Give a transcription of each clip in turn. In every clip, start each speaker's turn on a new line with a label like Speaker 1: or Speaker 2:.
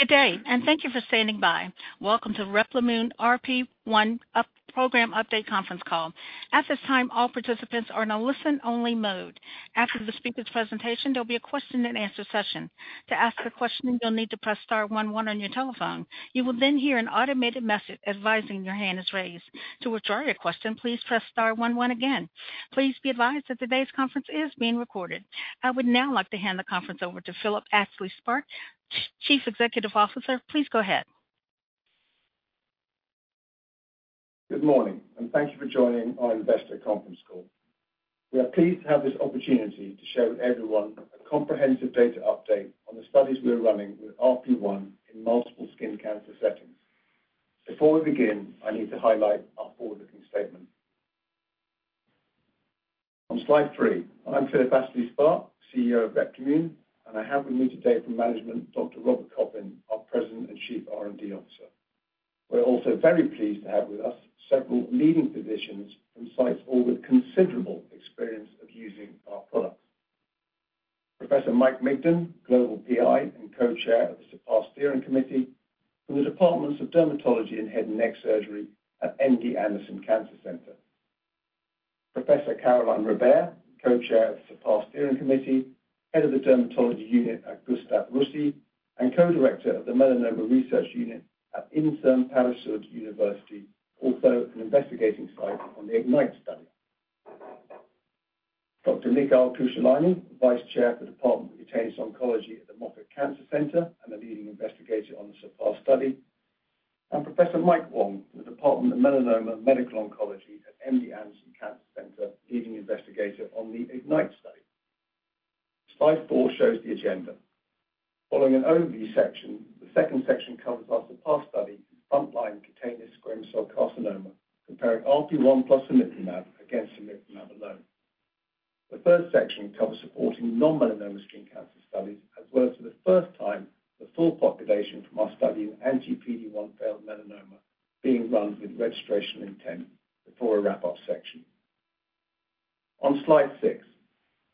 Speaker 1: Good day, and thank you for standing by. Welcome to Replimune RP1 up, Program Update conference call. At this time, all participants are in a listen-only mode. After the speaker's presentation, there'll be a question and answer session. To ask a question, you'll need to press star one one on your telephone. You will then hear an automated message advising your hand is raised. To withdraw your question, please press star one one again. Please be advised that today's conference is being recorded. I would now like to hand the conference over to Philip Astley-Sparke, Chief Executive Officer. Please go ahead.
Speaker 2: Good morning, and thank you for joining our investor conference call. We are pleased to have this opportunity to show everyone a comprehensive data update on the studies we're running with RP1 in multiple skin cancer settings. Before we begin, I need to highlight our forward-looking statement. On slide three, I'm Philip Astley-Sparke, CEO of Replimune, and I have with me today from management, Dr. Robert Coffin, our President and Chief R&D Officer. We're also very pleased to have with us several leading physicians from sites all with considerable experience of using our products. Professor Michael Migden, Global PI and Co-Chair of the SURPASS Steering Committee, from the Departments of Dermatology and Head and Neck Surgery at MD Anderson Cancer Center. Professor Caroline Robert, Co-Chair of the SURPASS Steering Committee, Head of the Dermatology Unit at Gustave Roussy, and Co-Director of the Melanoma Research Unit at INSERM Paris-Sud University, also an investigator site on the IGNITE study. Dr. Nikhil Khushalani, Vice Chair of the Department of Cutaneous Oncology at the Moffitt Cancer Center and the Leading Investigator on the SURPASS study, and Professor Michael Wong from the Department of Melanoma Medical Oncology at MD Anderson Cancer Center, Leading Investigator on the IGNITE study. Slide 4 shows the agenda. Following an overview section, the second section covers our SURPASS study, frontline cutaneous squamous cell carcinoma, comparing RP1 plus cemiplimab against cemiplimab alone. The first section covers supporting non-melanoma skin cancer studies, as well as for the first time, the full population from our study, anti-PD-1 failed melanoma, being run with registration intent before a wrap-up section. On slide 6,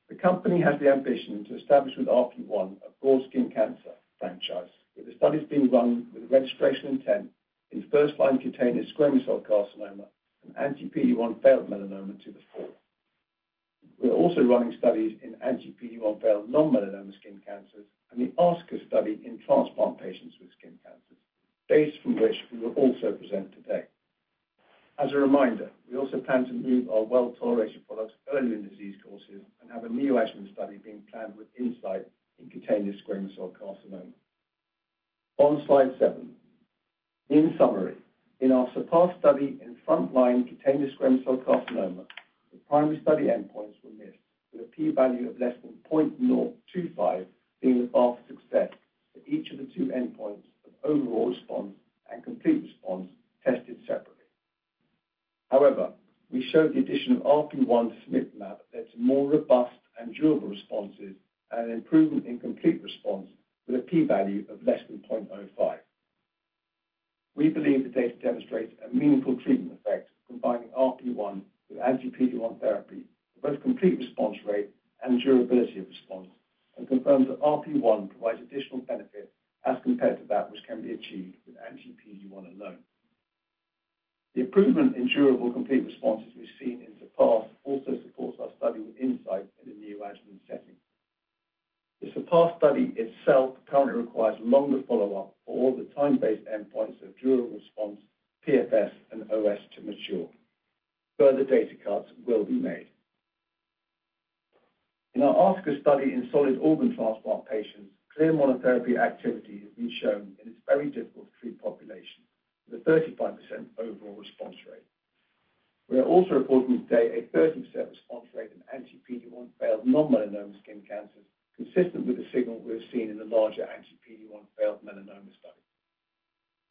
Speaker 2: the company has the ambition to establish with RP1 a broad skin cancer franchise, with the studies being run with registration intent in first-line cutaneous squamous cell carcinoma and anti-PD-1 failed melanoma to the fore. We are also running studies in anti-PD-1 failed non-melanoma skin cancers, and the ASKA study in transplant patients with skin cancers, data from which we will also present today. As a reminder, we also plan to move our well-tolerated products early in disease courses and have a neoadjuvant study being planned with RP1 in cutaneous squamous cell carcinoma. On slide 7, in summary, in our SURPASS study in first-line cutaneous squamous cell carcinoma, the primary study endpoints were missed with a p-value of less than 0.025 being the path of success for each of the 2 endpoints of overall response and complete response tested separately. However, we showed the addition of RP1 to cemiplimab led to more robust and durable responses and an improvement in complete response with a p-value of less than 0.05. We believe the data demonstrates a meaningful treatment effect, combining RP1 with anti-PD-1 therapy, both complete response rate and durability of response, and confirms that RP1 provides additional benefit as compared to that which can be achieved with anti-PD-1 alone. The improvement in durable complete responses we've seen in SURPASS also supports our study with Incyte in a neoadjuvant setting. The SURPASS study itself currently requires longer follow-up for all the time-based endpoints of durable response, PFS, and OS to mature. Further data cuts will be made. In our ASKA study in solid organ transplant patients, clear monotherapy activity has been shown in this very difficult to treat population, with a 35% overall response rate. We are also reporting today a 30% response rate in anti-PD-1 failed non-melanoma skin cancers, consistent with the signal we've seen in the larger anti-PD-1 failed melanoma study.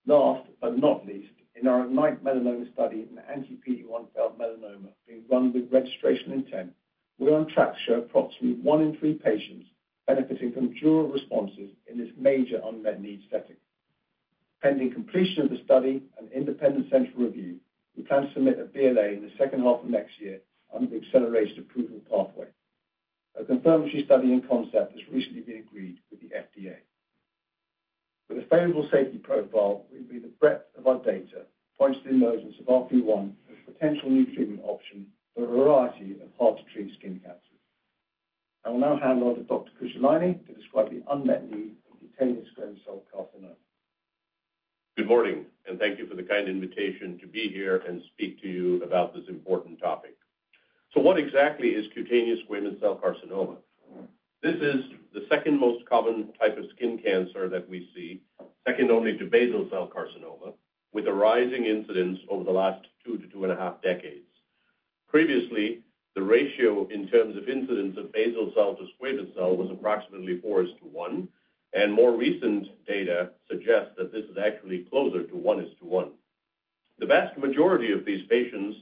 Speaker 2: Last but not least, in our IGNITE melanoma study, in anti-PD-1 failed melanoma being run with registration intent, we're on track to show approximately 1 in 3 patients benefiting from durable responses in this major unmet need setting. Pending completion of the study and independent central review, we plan to submit a BLA in the second half of next year under the accelerated approval pathway. A confirmatory study in concept has recently been agreed with the FDA. With a favorable safety profile, we believe the breadth of our data points to the emergence of RP1 as a potential new treatment option for a variety of hard-to-treat skin cancers. I will now hand over to Dr. Khushalani to describe the unmet need in cutaneous squamous cell carcinoma.
Speaker 3: Good morning, and thank you for the kind invitation to be here and speak to you about this important topic. So what exactly is cutaneous squamous cell carcinoma? This is the second most common type of skin cancer that we see, second only to basal cell carcinoma, with a rising incidence over the last 2 to 2.5 decades. Previously, the ratio in terms of incidence of basal cell to squamous cell was approximately 4-to-1, and more recent data suggests that this is actually closer to 1 is to 1. The vast majority of these patients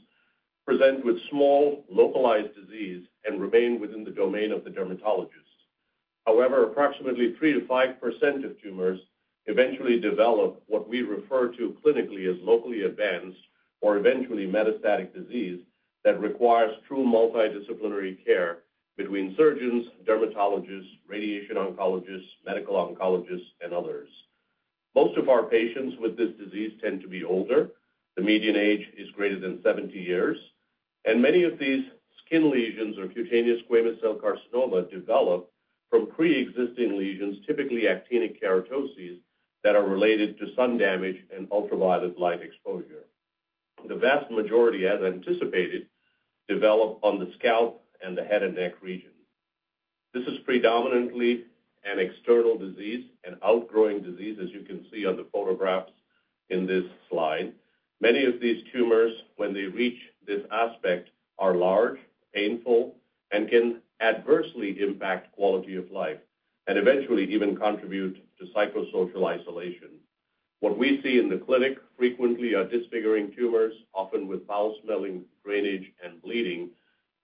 Speaker 3: present with small, localized disease and remain within the domain of the dermatologist. However, approximately 3%-5% of tumors eventually develop what we refer to clinically as locally advanced or eventually metastatic disease that requires true multidisciplinary care between surgeons, dermatologists, radiation oncologists, medical oncologists, and others. Most of our patients with this disease tend to be older. The median age is greater than 70 years, and many of these skin lesions, or cutaneous squamous cell carcinoma, develop from pre-existing lesions, typically actinic keratoses, that are related to sun damage and ultraviolet light exposure. The vast majority, as anticipated, develop on the scalp and the head and neck region. This is predominantly an external disease, an outgrowing disease, as you can see on the photographs in this slide. Many of these tumors, when they reach this aspect, are large, painful, and can adversely impact quality of life and eventually even contribute to psychosocial isolation. What we see in the clinic frequently are disfiguring tumors, often with foul-smelling drainage and bleeding,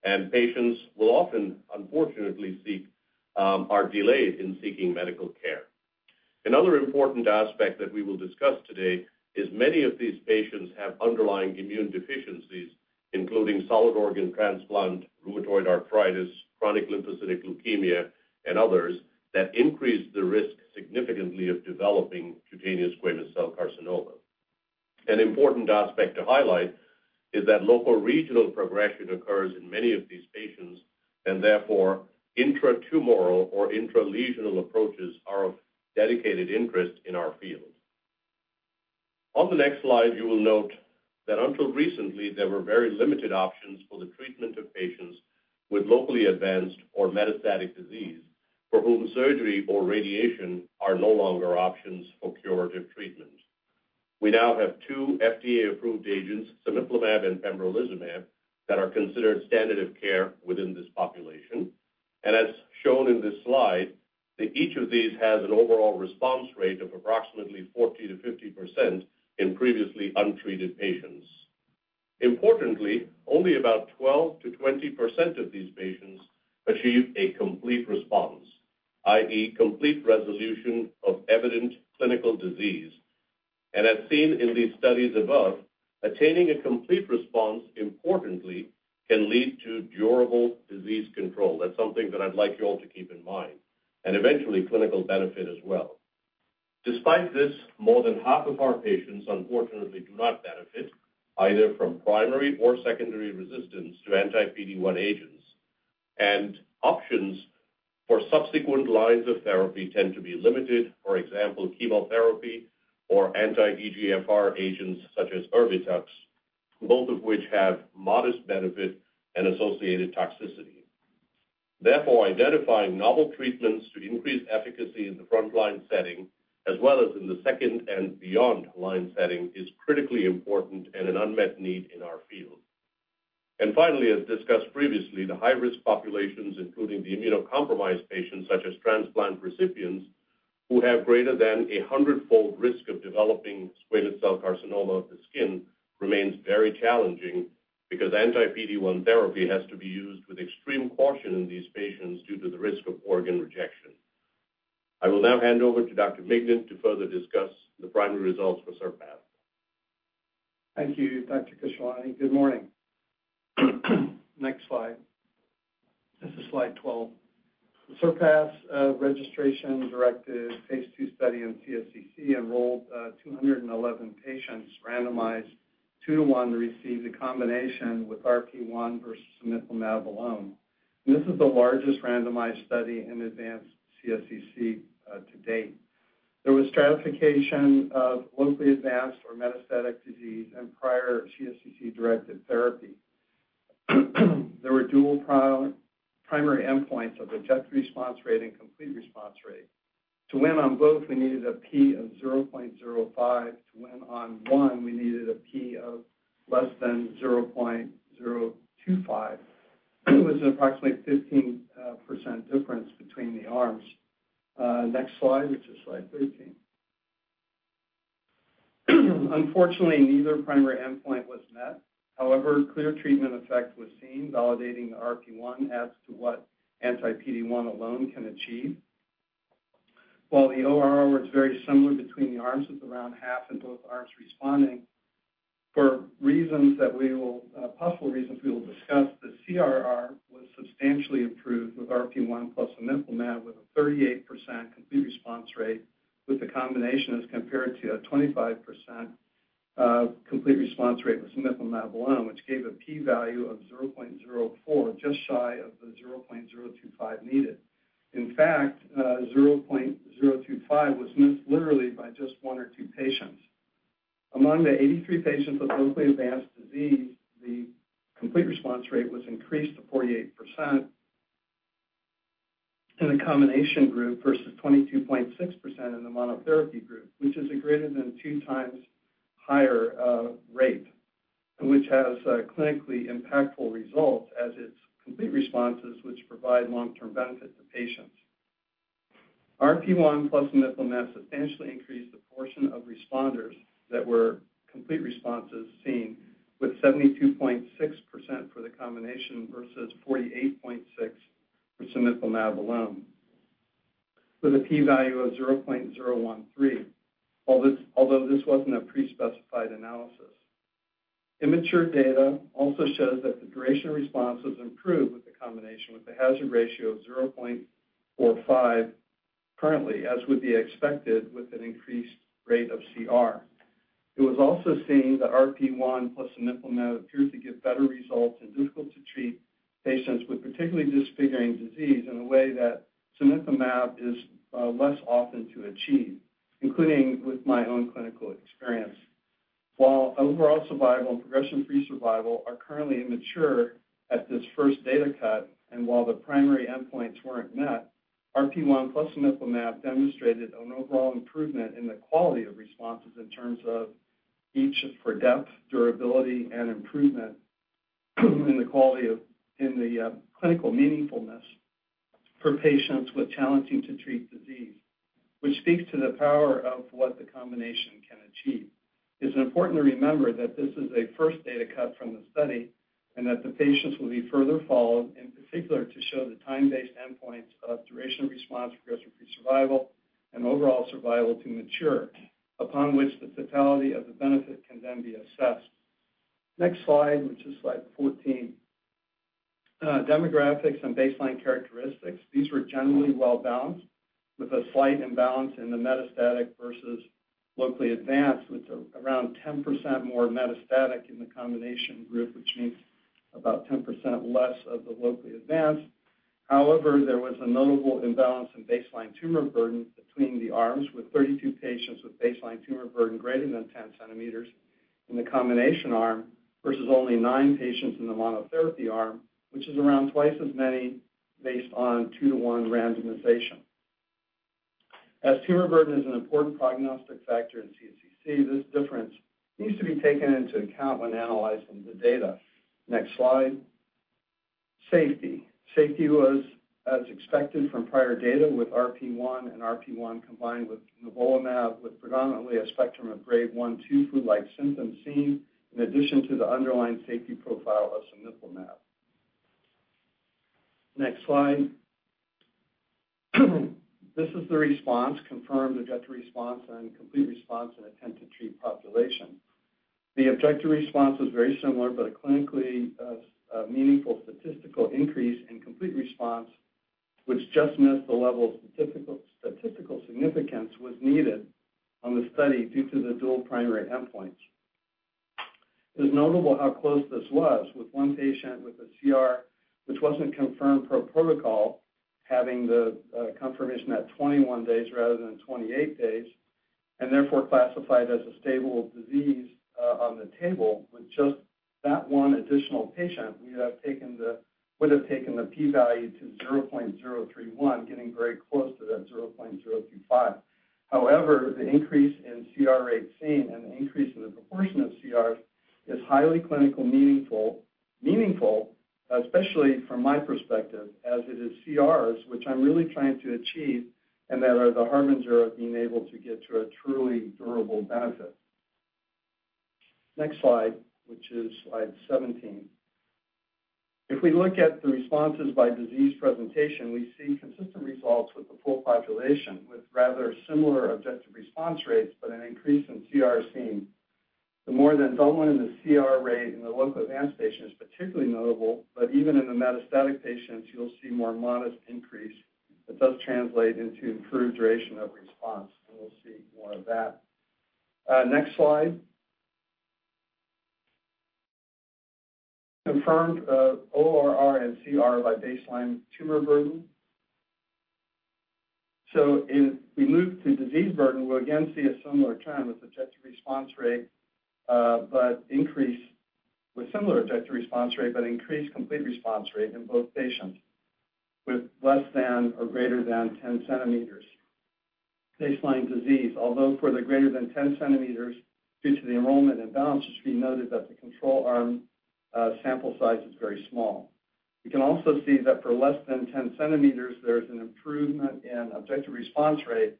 Speaker 3: and patients will often, unfortunately, seek, are delayed in seeking medical care. Another important aspect that we will discuss today is many of these patients have underlying immune deficiencies, including solid organ transplant, rheumatoid arthritis, chronic lymphocytic leukemia, and others, that increase the risk significantly of developing cutaneous squamous cell carcinoma. An important aspect to highlight is that local regional progression occurs in many of these patients, and therefore, intratumoral or intralesional approaches are of dedicated interest in our field. On the next slide, you will note that until recently, there were very limited options for the treatment of patients with locally advanced or metastatic disease, for whom surgery or radiation are no longer options for curative treatment. We now have two FDA-approved agents, cemiplimab and pembrolizumab, that are considered standard of care within this population. As shown in this slide, that each of these has an overall response rate of approximately 40%-50% in previously untreated patients. Importantly, only about 12%-20% of these patients achieve a complete response, i.e., complete resolution of evident clinical disease. As seen in these studies above, attaining a complete response, importantly, can lead to durable disease control. That's something that I'd like you all to keep in mind, and eventually, clinical benefit as well. Despite this, more than half of our patients, unfortunately, do not benefit either from primary or secondary resistance to anti-PD-1 agents, and options for subsequent lines of therapy tend to be limited, for example, chemotherapy or anti-VEGFR agents such as Erbitux, both of which have modest benefit and associated toxicity. Therefore, identifying novel treatments to increase efficacy in the frontline setting, as well as in the second and beyond line setting, is critically important and an unmet need in our field. And finally, as discussed previously, the high-risk populations, including the immunocompromised patients such as transplant recipients, who have greater than a hundredfold risk of developing squamous cell carcinoma of the skin, remains very challenging because anti-PD-1 therapy has to be used with extreme caution in these patients due to the risk of organ rejection. I will now hand over to Dr. Migden to further discuss the primary results for SURPASS.
Speaker 4: Thank you, Dr. Khushalani. Good morning. Next slide. This is slide 12. The SURPASS registration-directed phase ll study in CSCC enrolled 211 patients, randomized 2 to 1 to receive the combination with RP1 versus cemiplimab alone. This is the largest randomized study in advanced CSCC to date. There was stratification of locally advanced or metastatic disease and prior CSCC-directed therapy. There were dual primary endpoints of objective response rate and complete response rate. To win on both, we needed a P of 0.05. To win on one, we needed a P of less than 0.025. It was approximately 15% difference between the arms. Next slide, which is slide 13. Unfortunately, neither primary endpoint was met. However, clear treatment effect was seen, validating the RP1 as to what anti-PD-1 alone can achieve. While the ORR was very similar between the arms, with around half in both arms responding, for reasons that we will, possible reasons we will discuss, the CRR was substantially improved with RP1 plus cemiplimab, with a 38% complete response rate, with the combination as compared to a 25%, complete response rate with cemiplimab alone, which gave a p-value of 0.04, just shy of the 0.025 needed. In fact, 0.025 was missed literally by just one or two patients. Among the 83 patients with locally advanced disease, the complete response rate was increased to 48% in the combination group, versus 22.6% in the monotherapy group, which is a greater than two times higher rate, which has clinically impactful results as it's complete responses, which provide long-term benefit to patients. RP1 plus cemiplimab substantially increased the portion of responders that were complete responses seen with 72.6% for the combination versus 48.6% for cemiplimab alone with a p-value of 0.013. Although this, although this wasn't a pre-specified analysis. Immature data also shows that the duration of response was improved with the combination, with a hazard ratio of 0.45 currently, as would be expected with an increased rate of CR. It was also seen that RP1 plus cemiplimab appeared to give better results in difficult to treat patients with particularly disfiguring disease in a way that cemiplimab is less often to achieve, including with my own clinical experience. While overall survival and progression-free survival are currently immature at this first data cut, and while the primary endpoints weren't met, RP1 plus cemiplimab demonstrated an overall improvement in the quality of responses in terms of each for depth, durability, and improvement in the quality of clinical meaningfulness for patients with challenging to treat disease, which speaks to the power of what the combination can achieve. It's important to remember that this is a first data cut from the study, and that the patients will be further followed, in particular, to show the time-based endpoints of duration response, progression-free survival, and overall survival to mature, upon which the totality of the benefit can then be assessed. Next slide, which is slide 14. Demographics and baseline characteristics. These were generally well-balanced, with a slight imbalance in the metastatic versus locally advanced, with around 10% more metastatic in the combination group, which means about 10% less of the locally advanced. However, there was a notable imbalance in baseline tumor burden between the arms, with 32 patients with baseline tumor burden greater than 10 cm in the combination arm, versus only 9 patients in the monotherapy arm, which is around twice as many based on 2-to-1 randomization. As tumor burden is an important prognostic factor in CSCC, this difference needs to be taken into account when analyzing the data. Next slide. Safety. Safety was as expected from prior data with RP1 and RP1, combined with nivolumab, with predominantly a spectrum of Grade 1, 2 flu-like symptoms seen in addition to the underlying safety profile of cemiplimab. Next slide. This is the response, confirmed objective response and complete response in intent-to-treat population. The objective response was very similar, but a clinically meaningful statistical increase in complete response, which just missed the level of statistical significance needed on the study due to the dual primary endpoints. It is notable how close this was with one patient with a CR, which wasn't confirmed per protocol, having the confirmation at 21 days rather than 28 days, and therefore classified as a stable disease on the table. With just that one additional patient, we would have taken the p-value to 0.031, getting very close to that 0.035. However, the increase in CR rate seen and the increase in the proportion of CRs is highly clinical meaningful, meaningful, especially from my perspective, as it is CRs, which I'm really trying to achieve, and that are the harbingers of being able to get to a truly durable benefit. Next slide, which is slide 17. If we look at the responses by disease presentation, we see consistent results with the full population, with rather similar objective response rates but an increase in CR seen. The more than doubling in the CR rate in the locally advanced setting is particularly notable, but even in the metastatic patients, you'll see more modest increase that does translate into improved duration of response, and we'll see more of that. Next slide. Confirmed ORR and CR by baseline tumor burden. So if we move to disease burden, we'll again see a similar trend with objective response rate, but increase with similar objective response rate, but increased complete response rate in both patients with less than or greater than 10 centimeters. Baseline disease, although for the greater than 10 centimeters, due to the enrollment imbalance, it should be noted that the control arm sample size is very small. We can also see that for less than 10 centimeters, there is an improvement in objective response rate,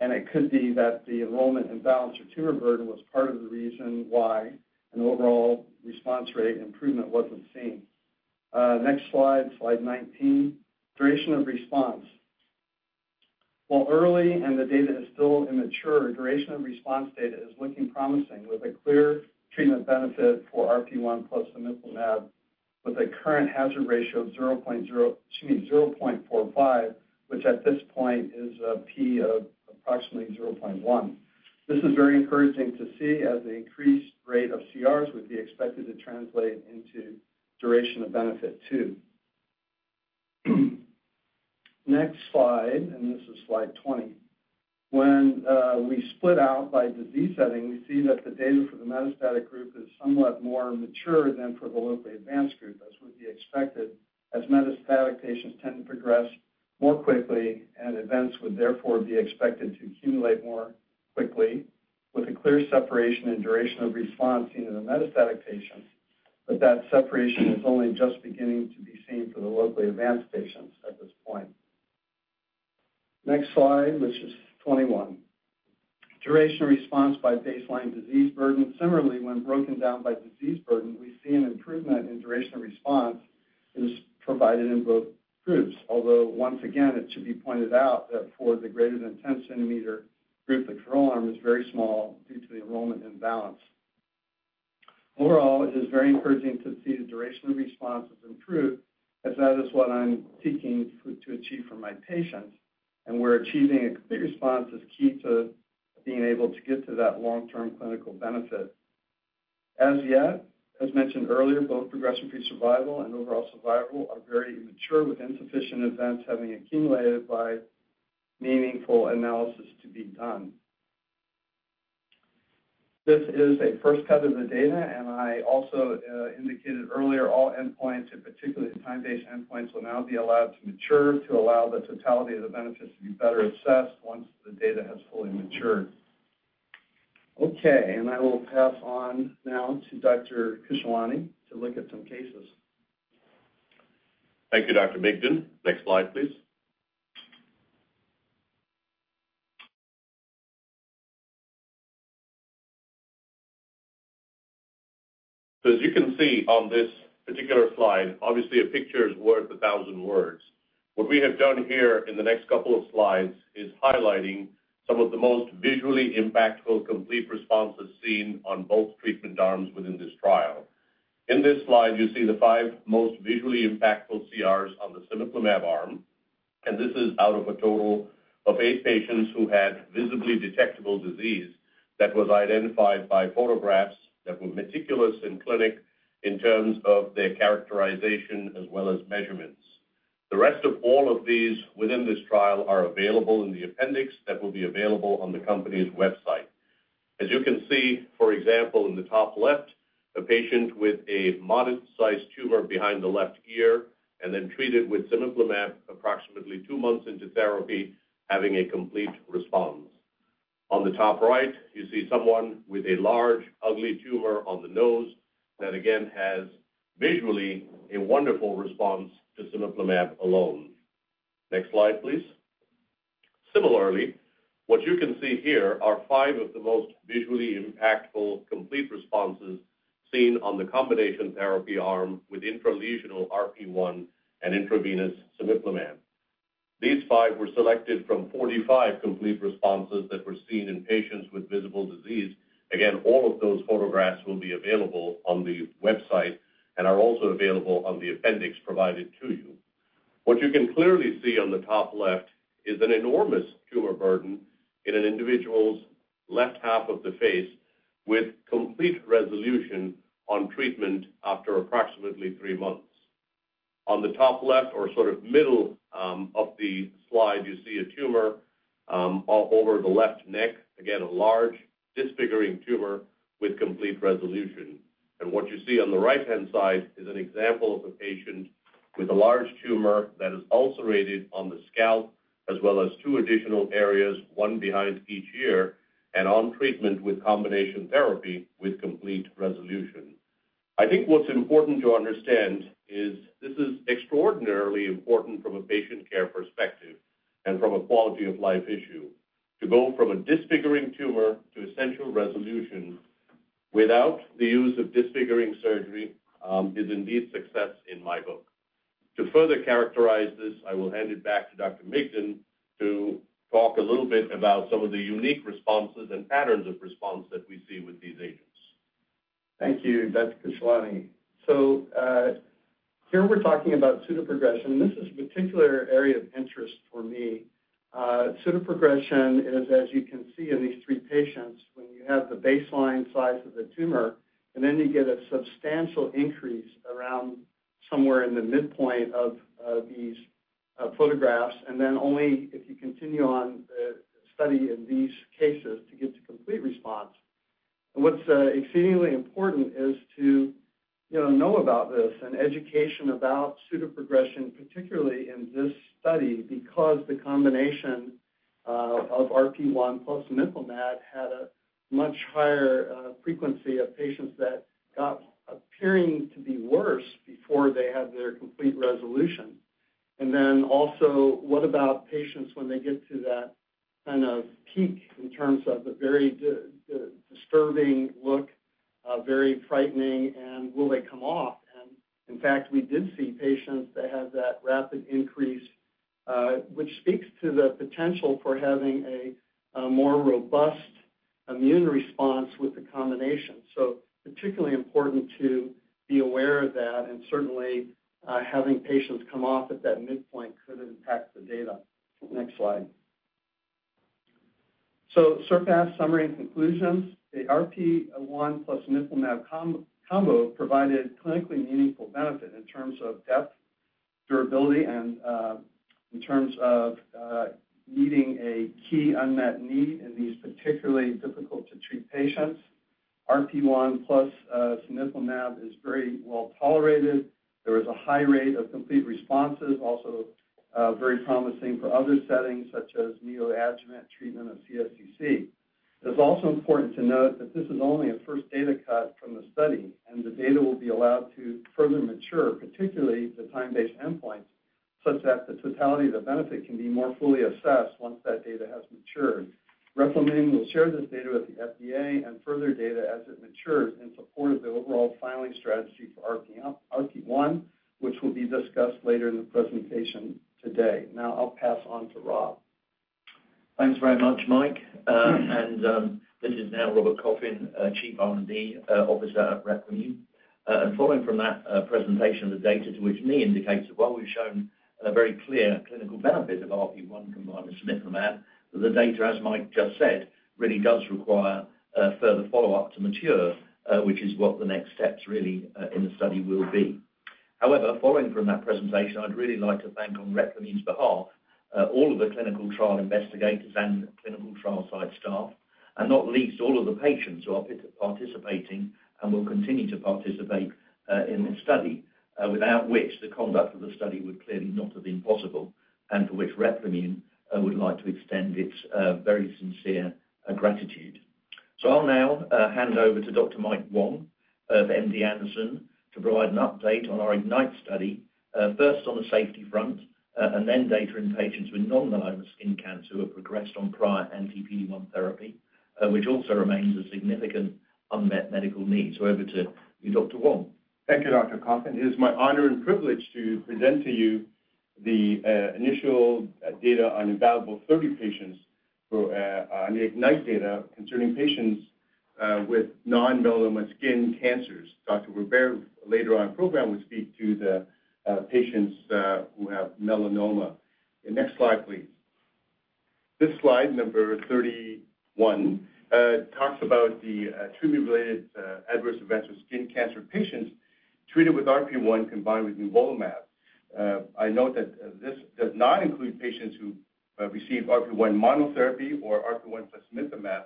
Speaker 4: and it could be that the enrollment imbalance or tumor burden was part of the reason why an overall response rate improvement wasn't seen. Next slide, slide 19, duration of response. While early and the data is still immature, duration of response data is looking promising, with a clear treatment benefit for RP1 plus cemiplimab, with a current hazard ratio of 0.0, excuse me, 0.45, which at this point is a p of approximately 0.1. This is very encouraging to see as the increased rate of CRs would be expected to translate into duration of benefit too. Next slide, and this is slide 20. When we split out by disease setting, we see that the data for the metastatic group is somewhat more mature than for the locally advanced group, as would be expected, as metastatic patients tend to progress more quickly and events would therefore be expected to accumulate more quickly with a clear separation and duration of response in the metastatic patients. But that separation is only just beginning to be seen for the locally advanced patients at this point. Next slide, which is 21.... Duration of response by baseline disease burden. Similarly, when broken down by disease burden, we see an improvement in duration of response is provided in both groups. Although once again, it should be pointed out that for the greater than 10 centimeter group, the control arm is very small due to the enrollment imbalance. Overall, it is very encouraging to see the duration of response has improved, as that is what I'm seeking for to achieve for my patients, and we're achieving a complete response is key to being able to get to that long-term clinical benefit. As yet, as mentioned earlier, both progression-free survival and overall survival are very immature, with insufficient events having accumulated by meaningful analysis to be done. This is a first cut of the data, and I also indicated earlier, all endpoints, and particularly the time-based endpoints, will now be allowed to mature to allow the totality of the benefits to be better assessed once the data has fully matured. Okay, and I will pass on now to Dr. Khushalani to look at some cases.
Speaker 3: Thank you, Dr. Migden. Next slide, please. So as you can see on this particular slide, obviously, a picture is worth a thousand words. What we have done here in the next couple of slides is highlighting some of the most visually impactful, complete responses seen on both treatment arms within this trial. In this slide, you see the five most visually impactful CRs on the cemiplimab arm, and this is out of a total of eight patients who had visibly detectable disease that was identified by photographs that were meticulous in clinic in terms of their characterization as well as measurements. The rest of all of these within this trial are available in the appendix that will be available on the company's website. As you can see, for example, in the top left, a patient with a modest-sized tumor behind the left ear and then treated with cemiplimab approximately 2 months into therapy, having a complete response. On the top right, you see someone with a large, ugly tumor on the nose that again, has visually a wonderful response to cemiplimab alone. Next slide, please. Similarly, what you can see here are 5 of the most visually impactful, complete responses seen on the combination therapy arm with intralesional RP1 and intravenous cemiplimab. These 5 were selected from 45 complete responses that were seen in patients with visible disease. Again, all of those photographs will be available on the website and are also available on the appendix provided to you. What you can clearly see on the top left is an enormous tumor burden in an individual's left half of the face, with complete resolution on treatment after approximately 3 months. On the top left or sort of middle of the slide, you see a tumor over the left neck. Again, a large disfiguring tumor with complete resolution. And what you see on the right-hand side is an example of a patient with a large tumor that is ulcerated on the scalp, as well as 2 additional areas, 1 behind each ear, and on treatment with combination therapy with complete resolution. I think what's important to understand is this is extraordinarily important from a patient care perspective and from a quality of life issue. To go from a disfiguring tumor to essential resolution without the use of disfiguring surgery is indeed success in my book. To further characterize this, I will hand it back to Dr. Migden to talk a little bit about some of the unique responses and patterns of response that we see with these agents.
Speaker 4: Thank you, Dr. Khushalani. So, here we're talking about pseudoprogression, and this is a particular area of interest for me. Pseudoprogression is, as you can see in these three patients, when you have the baseline size of the tumor and then you get a substantial increase around somewhere in the midpoint of, these, photographs, and then only if you continue on the study in these cases, to get to complete response. And what's, exceedingly important is to, you know, know about this and education about pseudoprogression, particularly in this study, because the combination, of RP1 plus cemiplimab had a much higher, frequency of patients that got appearing to be worse before they had their complete resolution. And then also, what about patients when they get to that kind of peak in terms of a very disturbing look, very frightening, and will they come off? And in fact, we did see patients that had that rapid increase, which speaks to the potential for having a more robust immune response with the combination. So particularly important to be aware of that, and certainly, having patients come off at that midpoint could impact the data. Next slide. So SURPASS summary and conclusions. The RP1 plus cemiplimab combo provided clinically meaningful benefit in terms of depth, durability, and in terms of meeting a key unmet need in these particularly difficult to treat patients. RP1 plus cemiplimab is very well tolerated. There is a high rate of complete responses, also, very promising for other settings such as neoadjuvant treatment of CSCC. It is also important to note that this is only a first data cut from the study, and the data will be allowed to further mature, particularly the time-based endpoints… such that the totality of the benefit can be more fully assessed once that data has matured. Replimune will share this data with the FDA and further data as it matures in support of the overall filing strategy for RP1, which will be discussed later in the presentation today. Now I'll pass on to Rob.
Speaker 5: Thanks very much, Mike. This is now Robert Coffin, Chief R&D Officer at Replimune. And following from that presentation of the data, to which Mike indicates that while we've shown a very clear clinical benefit of RP1 combined with cemiplimab, the data, as Mike just said, really does require further follow-up to mature, which is what the next steps really in the study will be. However, following from that presentation, I'd really like to thank, on Replimune's behalf, all of the clinical trial investigators and clinical trial site staff, and not least, all of the patients who are participating and will continue to participate in this study, without which the conduct of the study would clearly not have been possible, and for which Replimune would like to extend its very sincere gratitude. I'll now hand over to Dr. Mike Wong of MD Anderson to provide an update on our IGNITE study, first on the safety front, and then data in patients with non-melanoma skin cancer who have progressed on prior anti-PD-1 therapy, which also remains a significant unmet medical need. Over to you, Dr. Wong.
Speaker 6: Thank you, Dr. Coffin. It is my honor and privilege to present to you the initial data on evaluable 30 patients who on the IGNITE data concerning patients with non-melanoma skin cancers. Dr. Robert, later on in the program, will speak to the patients who have melanoma. The next slide, please. This slide, number 31, talks about the treatment-related adverse events for skin cancer patients treated with RP1 combined with nivolumab. I note that this does not include patients who received RP1 monotherapy or RP1 plus nivolumab,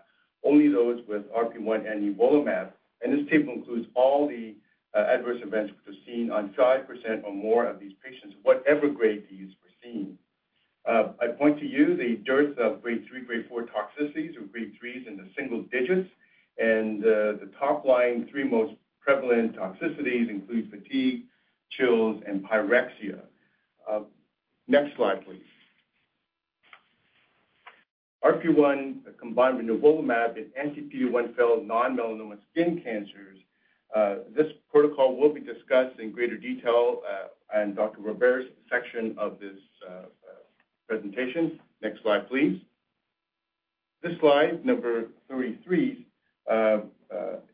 Speaker 6: only those with RP1 and nivolumab. And this table includes all the adverse events which were seen on 5% or more of these patients, whatever grade these were seen. I point to you the dearth of Grade 3, Grade 4 toxicities, with Grade 3s in the single digits. The top line three most prevalent toxicities include fatigue, chills, and pyrexia. Next slide, please. RP1 combined with nivolumab in anti-PD-1 failed non-melanoma skin cancers. This protocol will be discussed in greater detail in Dr. Robert's section of this presentation. Next slide, please. This slide, number 33,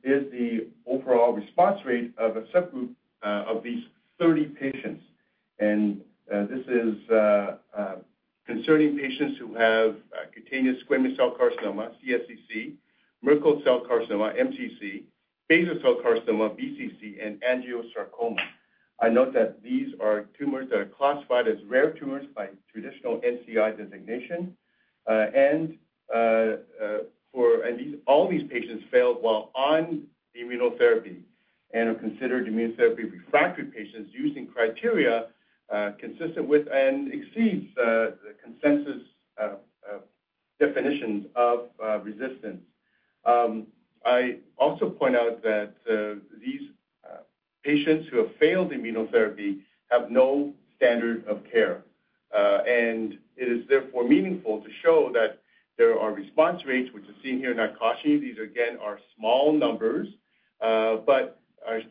Speaker 6: is the overall response rate of a subgroup of these 30 patients. This is concerning patients who have cutaneous squamous cell carcinoma, CSCC, Merkel cell carcinoma, MCC, basal cell carcinoma, BCC, and angiosarcoma. I note that these are tumors that are classified as rare tumors by traditional NCI designation, and all these patients failed while on the immunotherapy and are considered immunotherapy-refractory patients using criteria consistent with and exceeds the consensus definitions of resistance. I also point out that these patients who have failed immunotherapy have no standard of care, and it is therefore meaningful to show that there are response rates, which are seen here in our caution. These, again, are small numbers, but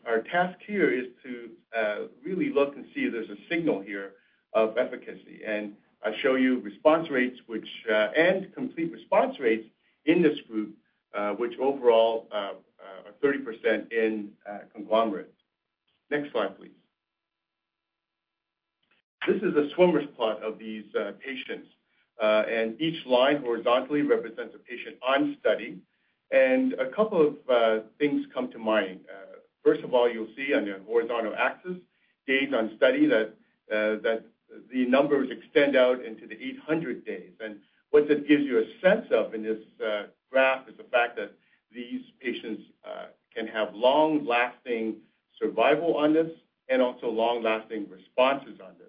Speaker 6: our task here is to really look and see if there's a signal here of efficacy. I show you response rates which and complete response rates in this group, which overall are 30% in conglomerate. Next slide, please. This is a swimmers plot of these patients, and each line horizontally represents a patient on study. A couple of things come to mind. First of all, you'll see on the horizontal axis, days on study, that the numbers extend out into the 800 days. What that gives you a sense of in this graph is the fact that these patients can have long-lasting survival on this and also long-lasting responses on this.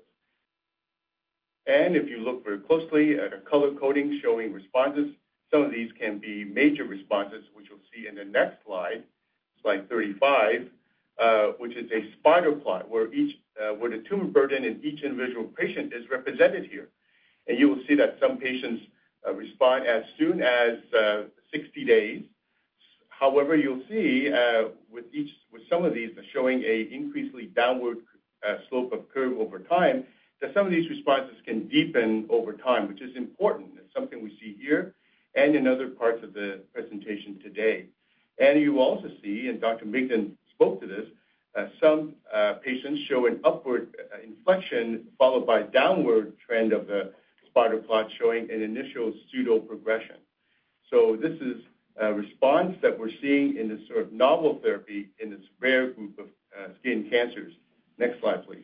Speaker 6: If you look very closely at a color-coding showing responses, some of these can be major responses, which you'll see in the next slide, slide 35, which is a spider plot, where the tumor burden in each individual patient is represented here. You will see that some patients respond as soon as 60 days. However, you'll see with some of these showing an increasingly downward slope of curve over time, that some of these responses can deepen over time, which is important. It's something we see here and in other parts of the presentation today. You also see, and Dr. Migden spoke to this, that some patients show an upward inflection followed by downward trend of the spider plot showing an initial pseudoprogression. So this is a response that we're seeing in this sort of novel therapy in this rare group of skin cancers. Next slide, please.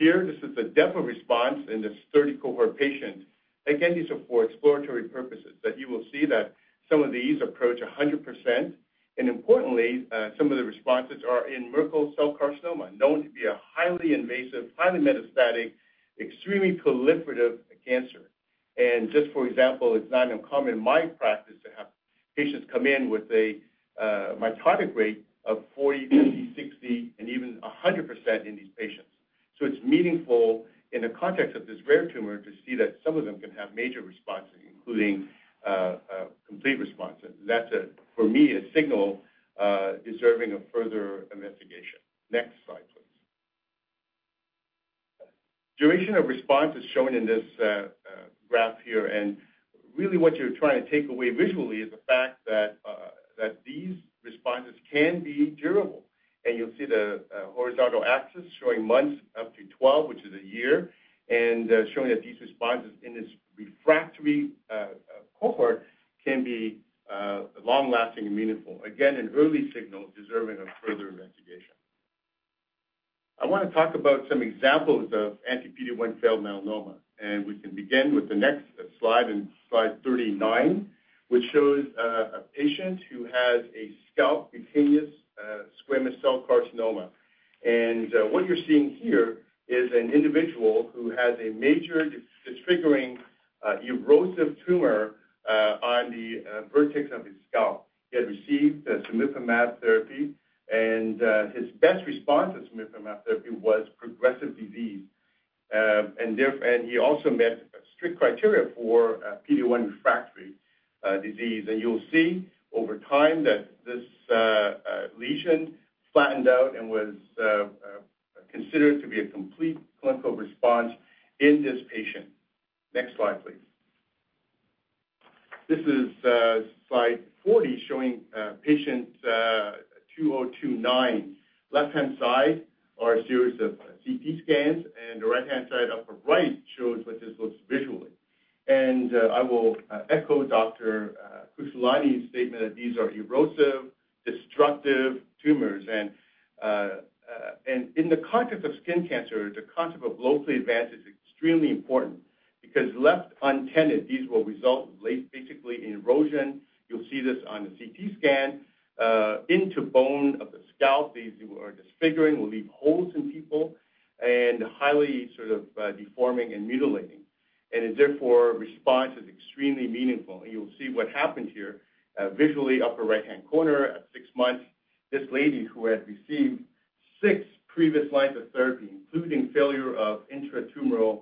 Speaker 6: Here, this is a depth of response in this 30 cohort patients. Again, these are for exploratory purposes, but you will see that some of these approach 100%, and importantly, some of the responses are in Merkel cell carcinoma, known to be a highly invasive, highly metastatic, extremely proliferative cancer. And just for example, it's not uncommon in my practice to have patients come in with a mitotic rate of 40, 50, 60, and even 100% in these patients. So it's meaningful in the context of this rare tumor to see that some of them can have major responses, including a complete response. And that's, for me, a signal deserving of further investigation. Next slide, please. Duration of response is shown in this graph here, and really what you're trying to take away visually is the fact that these responses can be durable. And you'll see the horizontal axis showing months up to 12, which is a year, and showing that these responses in this refractory cohort can be long-lasting and meaningful. Again, an early signal deserving of further investigation. I want to talk about some examples of anti-PD-1 failed melanoma, and we can begin with the next slide, in slide 39, which shows a patient who has a scalp cutaneous squamous cell carcinoma. What you're seeing here is an individual who has a major disfiguring, erosive tumor on the vertex of his scalp. He had received a cemiplimab therapy, and his best response to cemiplimab therapy was progressive disease. And therefore, and he also met strict criteria for PD-1 refractory disease. And you'll see over time that this lesion flattened out and was considered to be a complete clinical response in this patient. Next slide, please. This is slide 40, showing patient 2029. Left-hand side are a series of CT scans, and the right-hand side, upper right, shows what this looks visually. And I will echo Dr. Khushalani's statement that these are erosive, destructive tumors. In the context of skin cancer, the concept of locally advanced is extremely important because left unattended, these will result late, basically in erosion. You'll see this on the CT scan, into bone of the scalp. These are disfiguring, will leave holes in people and highly sort of, deforming and mutilating, and therefore, response is extremely meaningful. And you'll see what happened here. Visually, upper right-hand corner at 6 months, this lady, who had received 6 previous lines of therapy, including failure of intratumoral,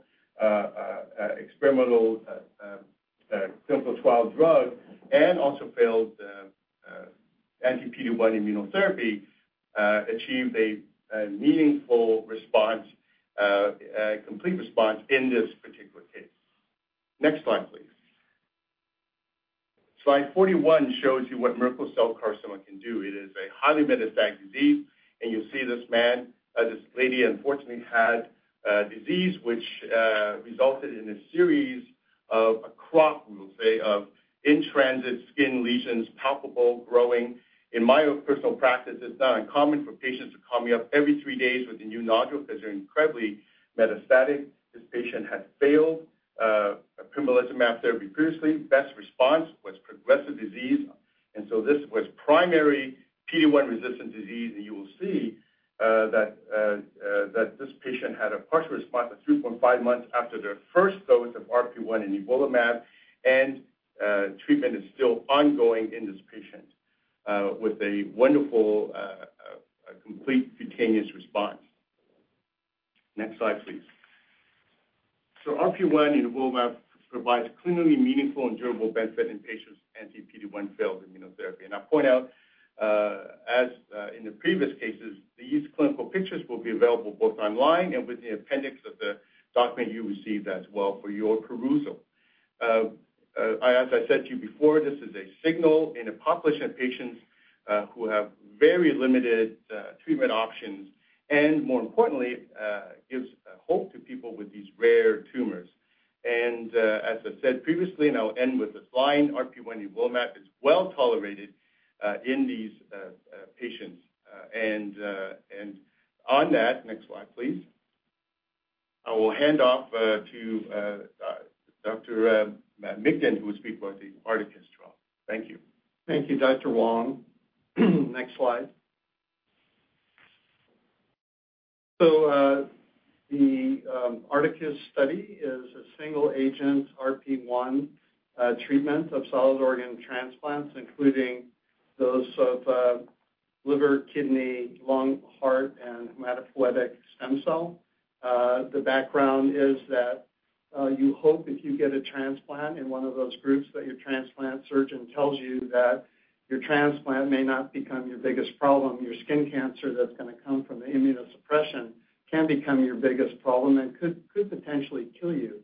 Speaker 6: experimental, clinical trial drug, and also failed, anti-PD-1 immunotherapy, achieved a, a meaningful response, a complete response in this particular case. Next slide, please. Slide 41 shows you what Merkel cell carcinoma can do. It is a highly metastatic disease, and you see this man, this lady unfortunately had a disease which resulted in a series of a crop, we'll say, of in-transit skin lesions, palpable, growing. In my own personal practice, it's not uncommon for patients to call me up every three days with a new nodule because they're incredibly metastatic. This patient had failed pembrolizumab therapy previously. Best response was progressive disease, and so this was primary PD-1-resistant disease. And you will see that this patient had a partial response at 2.5 months after their first dose of RP1 and nivolumab, and treatment is still ongoing in this patient with a wonderful complete cutaneous response. Next slide, please. So RP1 nivolumab provides clinically meaningful and durable benefit in patients with anti-PD-1 failed immunotherapy. I point out, as in the previous cases, these clinical pictures will be available both online and with the appendix of the document you received as well for your perusal. As I said to you before, this is a signal in a population of patients who have very limited treatment options and more importantly, gives hope to people with these rare tumors. And as I said previously, and I'll end with this line, RP1 nivolumab is well tolerated in these patients. And on that, next slide, please. I will hand off to Dr. Migden, who will speak about the ARTACUS trial. Thank you.
Speaker 4: Thank you, Dr. Wong. Next slide. So, the ARTICUS study is a single-agent RP1 treatment of solid organ transplants, including those of liver, kidney, lung, heart, and hematopoietic stem cell. The background is that you hope if you get a transplant in one of those groups, that your transplant surgeon tells you that your transplant may not become your biggest problem. Your skin cancer that's going to come from the immunosuppression can become your biggest problem and could potentially kill you.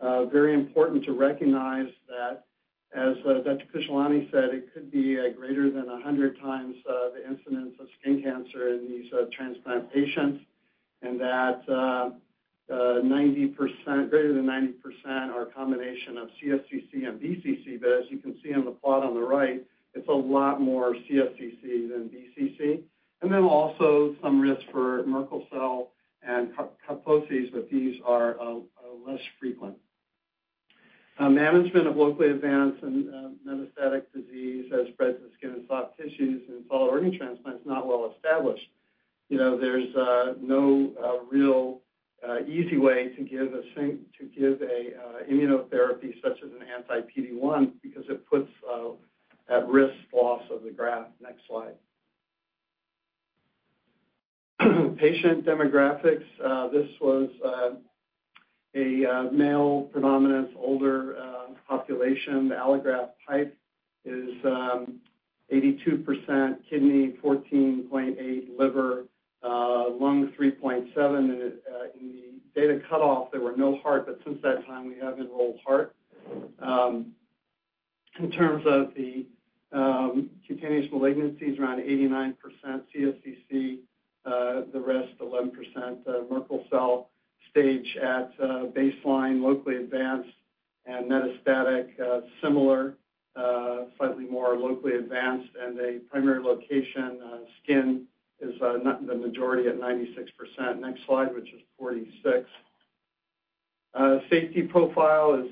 Speaker 4: Very important to recognize that, as Dr. Khushalani said, it could be greater than 100 times the incidence of skin cancer in these transplant patients, and that greater than 90% are a combination of CSCC and BCC. But as you can see on the plot on the right, it's a lot more cSCC than BCC, and then also some risk for Merkel cell and ca-Kaposi's, but these are less frequent. Management of locally advanced and metastatic disease has spread to the skin and soft tissues, and solid organ transplant is not well established... You know, there's no real easy way to give a sync-- to give a immunotherapy, such as an anti-PD-1, because it puts at risk loss of the graft. Next slide. Patient demographics. This was a male-predominance older population. The allograft type is 82% kidney, 14.8 liver, lung 3.7. And in the data cutoff, there were no heart, but since that time, we have enrolled heart. In terms of the cutaneous malignancies, around 89% CSCC, the rest 11%, Merkel cell stage at baseline, locally advanced and metastatic, similar, slightly more locally advanced, and a primary location, skin is not the majority at 96%. Next slide, which is 46. Safety profile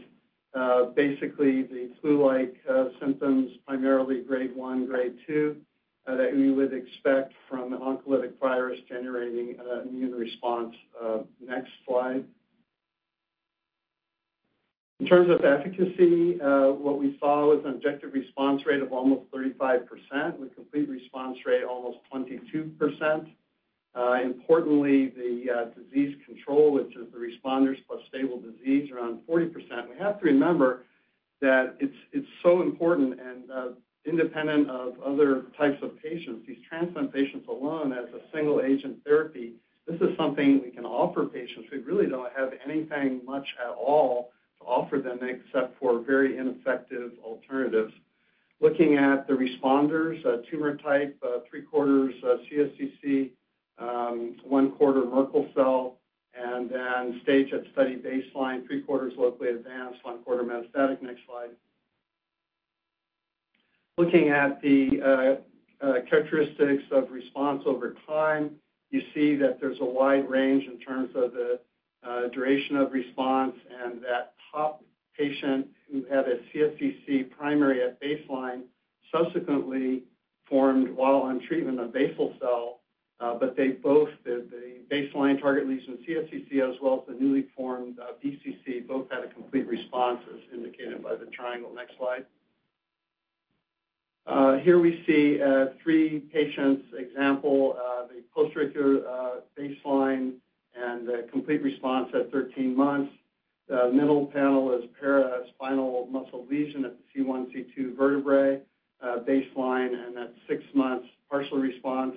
Speaker 4: is basically the flu-like symptoms, primarily grade 1, grade 2, that we would expect from oncolytic virus generating an immune response. Next slide. In terms of efficacy, what we saw was an objective response rate of almost 35%, with complete response rate almost 22%. Importantly, the disease control, which is the responders plus stable disease, around 40%. We have to remember that it's, it's so important and, independent of other types of patients, these transplant patients alone as a single-agent therapy, this is something we can offer patients. We really don't have anything much at all to offer them except for very ineffective alternatives. Looking at the responders, tumor type, three-quarters CSCC, one-quarter Merkel cell, and then stage at study baseline, three-quarters locally advanced, one-quarter metastatic. Next slide. Looking at the characteristics of response over time, you see that there's a wide range in terms of the duration of response, and that top patient who had a CSCC primary at baseline subsequently formed while on treatment of basal cell. But they both, the baseline target lesion CSCC, as well as the newly formed BCC, both had a complete response, as indicated by the triangle. Next slide. Here we see 3 patients example of a post-radiotherapy baseline and a complete response at 13 months. The middle panel is paraspinal muscle lesion at the C1, C2 vertebrae, baseline, and at 6 months, partial response.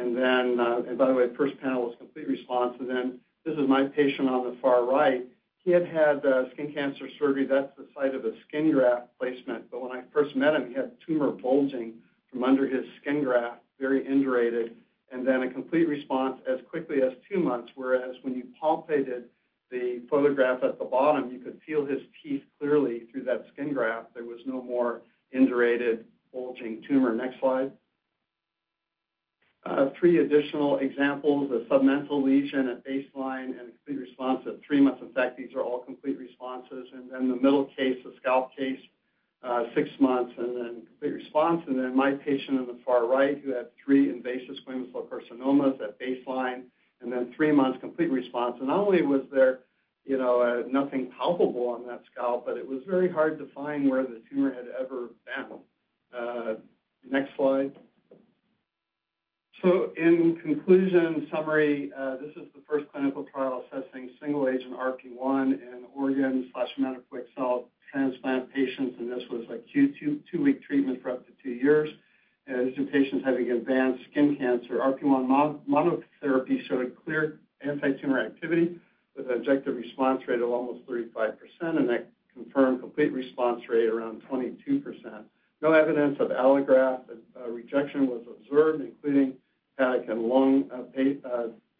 Speaker 4: And then... And by the way, the first panel was complete response. And then this is my patient on the far right. He had had skin cancer surgery. That's the site of a skin graft placement, but when I first met him, he had tumor bulging from under his skin graft, very indurated, and then a complete response as quickly as 2 months. Whereas when you palpated the photograph at the bottom, you could feel his teeth clearly through that skin graft. There was no more indurated, bulging tumor. Next slide. 3 additional examples: a submental lesion at baseline and complete response at 3 months. In fact, these are all complete responses. And then the middle case, the scalp case, 6 months and then complete response. And then my patient on the far right, who had 3 invasive squamous cell carcinomas at baseline, and then 3 months, complete response. And not only was there, you know, nothing palpable on that scalp, but it was very hard to find where the tumor had ever been. Next slide. So in conclusion, summary, this is the first clinical trial assessing single-agent RP1 in organ/hematopoietic cell transplant patients, and this was up to 2-week treatment for up to 2 years. This is in patients having advanced skin cancer. RP1 monotherapy showed a clear anti-tumor activity with objective response rate of almost 35%, and that confirmed complete response rate around 22%. No evidence of allograft rejection was observed, including kidney and lung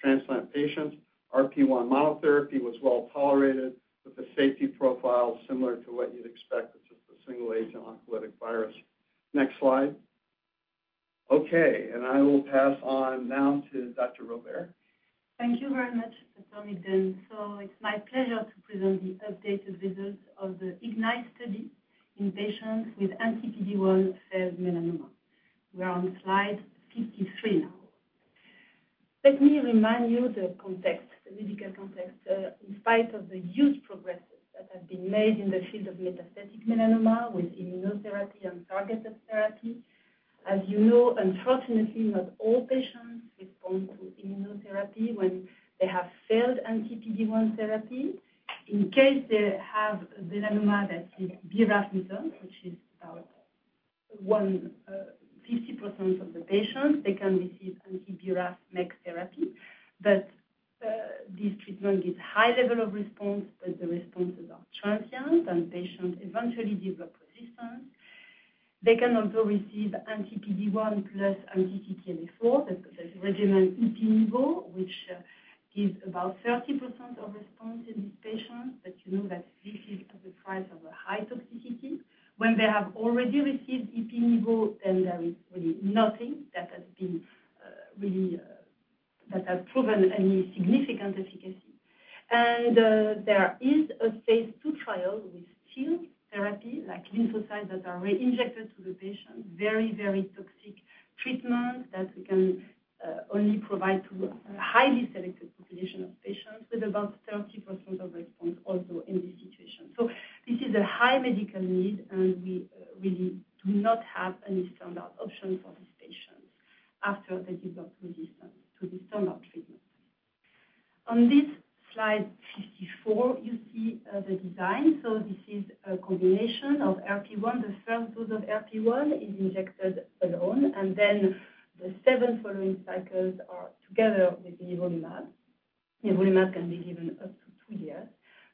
Speaker 4: transplant patients. RP1 monotherapy was well-tolerated with a safety profile similar to what you'd expect with just a single-agent oncolytic virus. Next slide. Okay, I will pass on now to Dr. Robert.
Speaker 7: Thank you very much, Dr. Migden. It's my pleasure to present the updated results of the IGNITE study in patients with anti-PD-1 failed melanoma. We are on slide 53 now. Let me remind you the context, the medical context. In spite of the huge progresses that have been made in the field of metastatic melanoma with immunotherapy and targeted therapy, as you know, unfortunately, not all patients respond to immunotherapy when they have failed anti-PD-1 therapy. In case they have melanoma, that is BRAF mutant, which is about 50% of the patients, they can receive an BRAF/MEK therapy. But this treatment gives high level of response, but the responses are transient, and patients eventually develop resistance. They can also receive anti-PD-1 plus anti-CTLA-4. That's the regimen IPI/NIVO, which gives about 30% of response in these patients. But you know that this is at the price of a high toxicity. When they have already received IPI/NIVO, then there is really nothing that has been really that has proven any significant efficacy.... And there is a phase ll trial with TIL therapy, like lymphocytes that are re-injected to the patient. Very, very toxic treatment that we can only provide to a highly selected population of patients with about 30% of response also in this situation. So this is a high medical need, and we really do not have any standard option for these patients after they develop resistance to the standard treatment. On this slide 54, you see the design. So this is a combination of RP1. The first dose of RP1 is injected alone, and then the seven following cycles are together with nivolumab. Nivolumab can be given up to 2 years.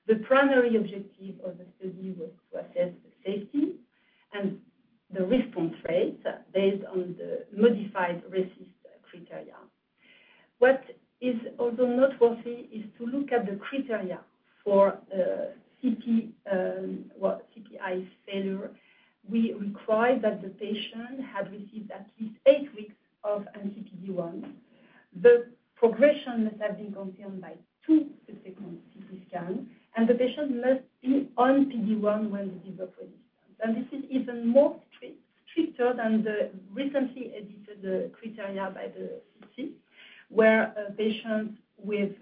Speaker 7: The primary objective of the study was to assess the safety and the response rate based on the modified RECIST criteria. What is also noteworthy is to look at the criteria for CP, well, CPI failure. We require that the patient had received at least 8 weeks of anti-PD-1. The progression must have been confirmed by 2 subsequent CT scan, and the patient must be on PD-1 when they develop resistance. This is even more strict, stricter than the recently edited criteria by the CT, where a patient with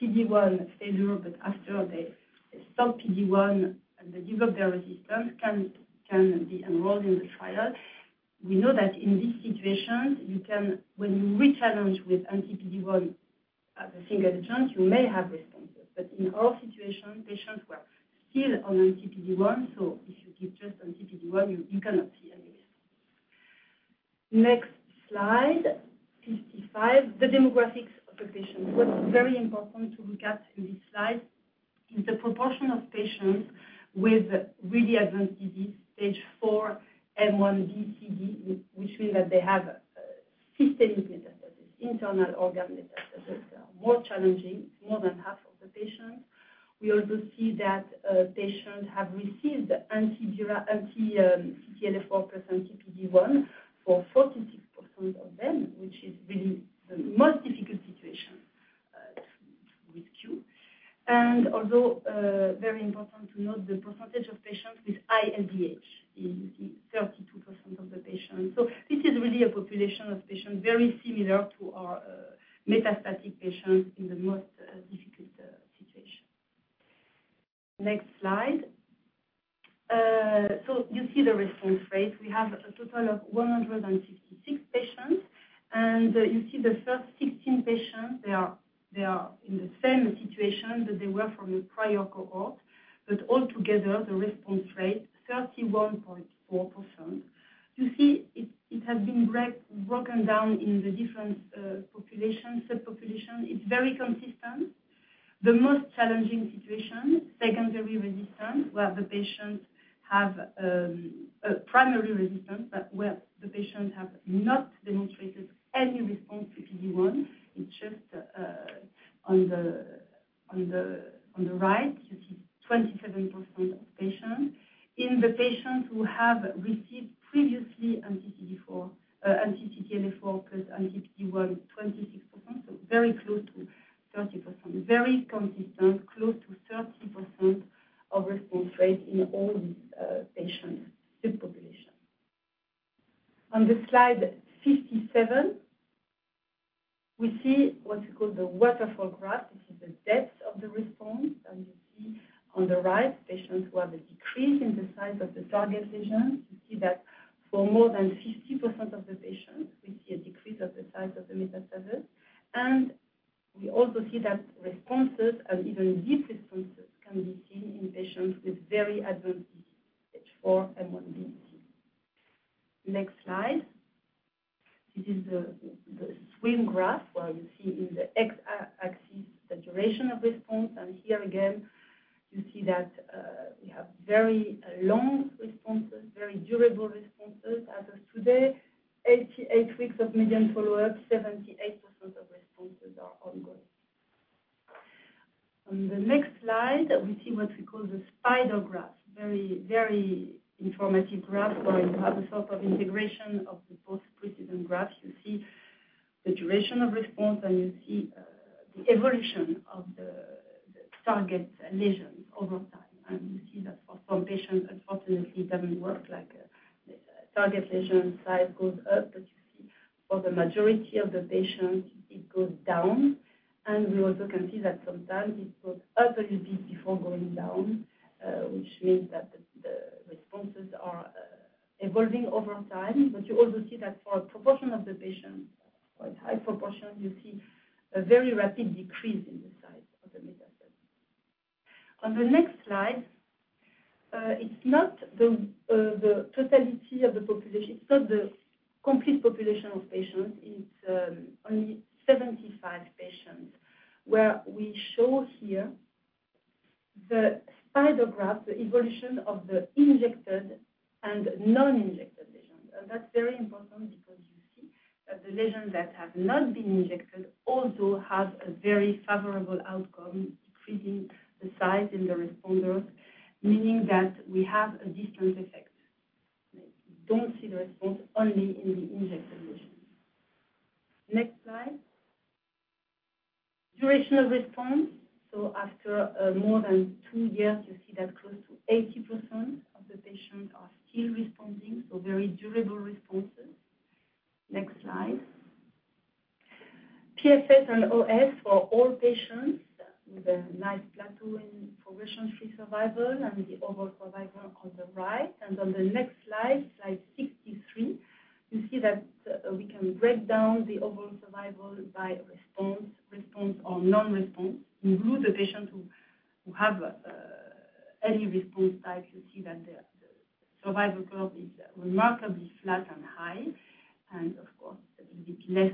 Speaker 7: PD-1 failure, but after they stop PD-1 and they develop their resistance, can be enrolled in the trial. We know that in this situation, you can when you re-challenge with anti-PD-1 as a single agent, you may have responses. But in our situation, patients were still on anti-PD-1, so if you give just anti-PD-1, you, you cannot see any. Next slide, 55. The demographics of the patients. What's very important to look at in this slide is the proportion of patients with really advanced disease, stage 4 M1c/d, which means that they have systemic metastasis, internal organ metastasis, more challenging, more than half of the patients. We also see that patients have received anti-CTLA-4 plus anti-PD-1 for 46% of them, which is really the most difficult situation to rescue. And although very important to note the percentage of patients with high LDH is 32% of the patients. So this is really a population of patients very similar to our metastatic patients in the most difficult situation. Next slide. So you see the response rate. We have a total of 166 patients, and you see the first 16 patients, they are in the same situation that they were from the prior cohort, but altogether, the response rate 31.4%. You see, it has been broken down in the different population, subpopulation. It's very consistent. The most challenging situation, secondary resistance, where the patients have a primary resistance, complete population of patients. It's only 75 patients, where we show here the spider graph, the evolution of the injected and non-injected lesions. That's very important because you see that the lesions that have not been injected also have a very favorable outcome, decreasing the size in the responders, meaning that we have a distant effect... we don't see the response only in the injected lesions. Next slide. Duration of response. So after more than two years, you see that close to 80% of the patients are still responding, so very durable responses. Next slide. PFS and OS for all patients with a nice plateau in progression-free survival and with the overall survival on the right. On the next slide, slide 63, you see that we can break down the overall survival by response, response or non-response. We include the patients who have any response type. You see that the survival curve is remarkably flat and high, and of course, it will be less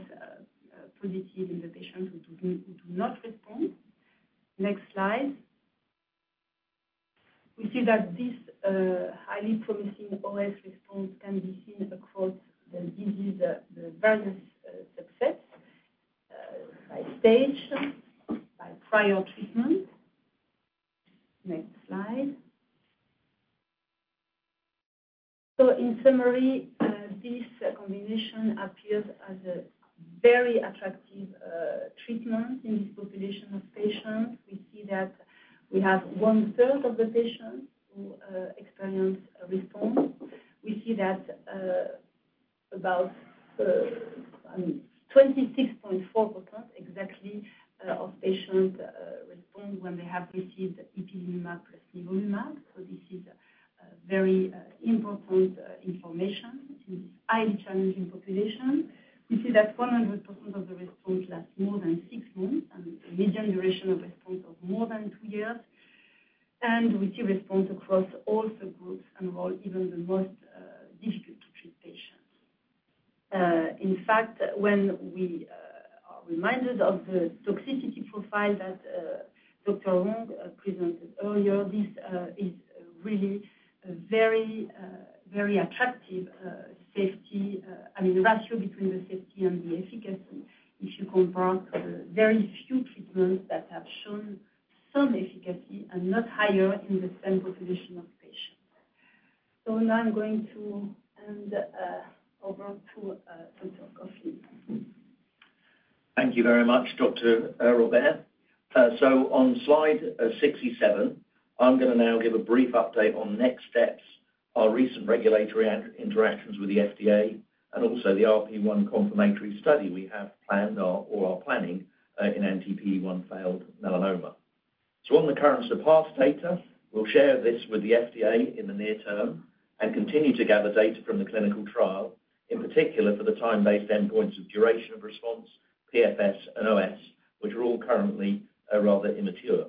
Speaker 7: positive in the patients who do not respond. Next slide. We see that this highly promising OS response can be seen across the disease, the various subsets, by stage, by prior treatment. Next slide. So in summary, this combination appears as a very attractive treatment in this population of patients. We see that we have one-third of the patients who experience a response. We see that, about, 26.4% exactly of patients respond when they have received ipilimumab plus nivolumab. So this is very important information. It is highly challenging population. We see that 100% of the response lasts more than six months, and a median duration of response of more than two years. We see response across all the groups enrolled, even the most, difficult to treat patients. In fact, when we, are reminded of the toxicity profile that, Dr. Wong, presented earlier, this, is really a very, very attractive, safety- I mean, ratio between the safety and the efficacy. If you compare to the very few treatments that have shown some efficacy and not higher in the same population of patients. So now I'm going to hand, over to, Dr. Coffin.
Speaker 5: Thank you very much, Dr. Robert. So on slide 67, I'm going to now give a brief update on next steps, our recent regulatory interactions with the FDA, and also the RP1 confirmatory study we have planned or are planning in anti-PD-1 failed melanoma. So on the current SURPASS data, we'll share this with the FDA in the near term and continue to gather data from the clinical trial, in particular for the time-based endpoints of duration of response, PFS and OS, which are all currently rather immature.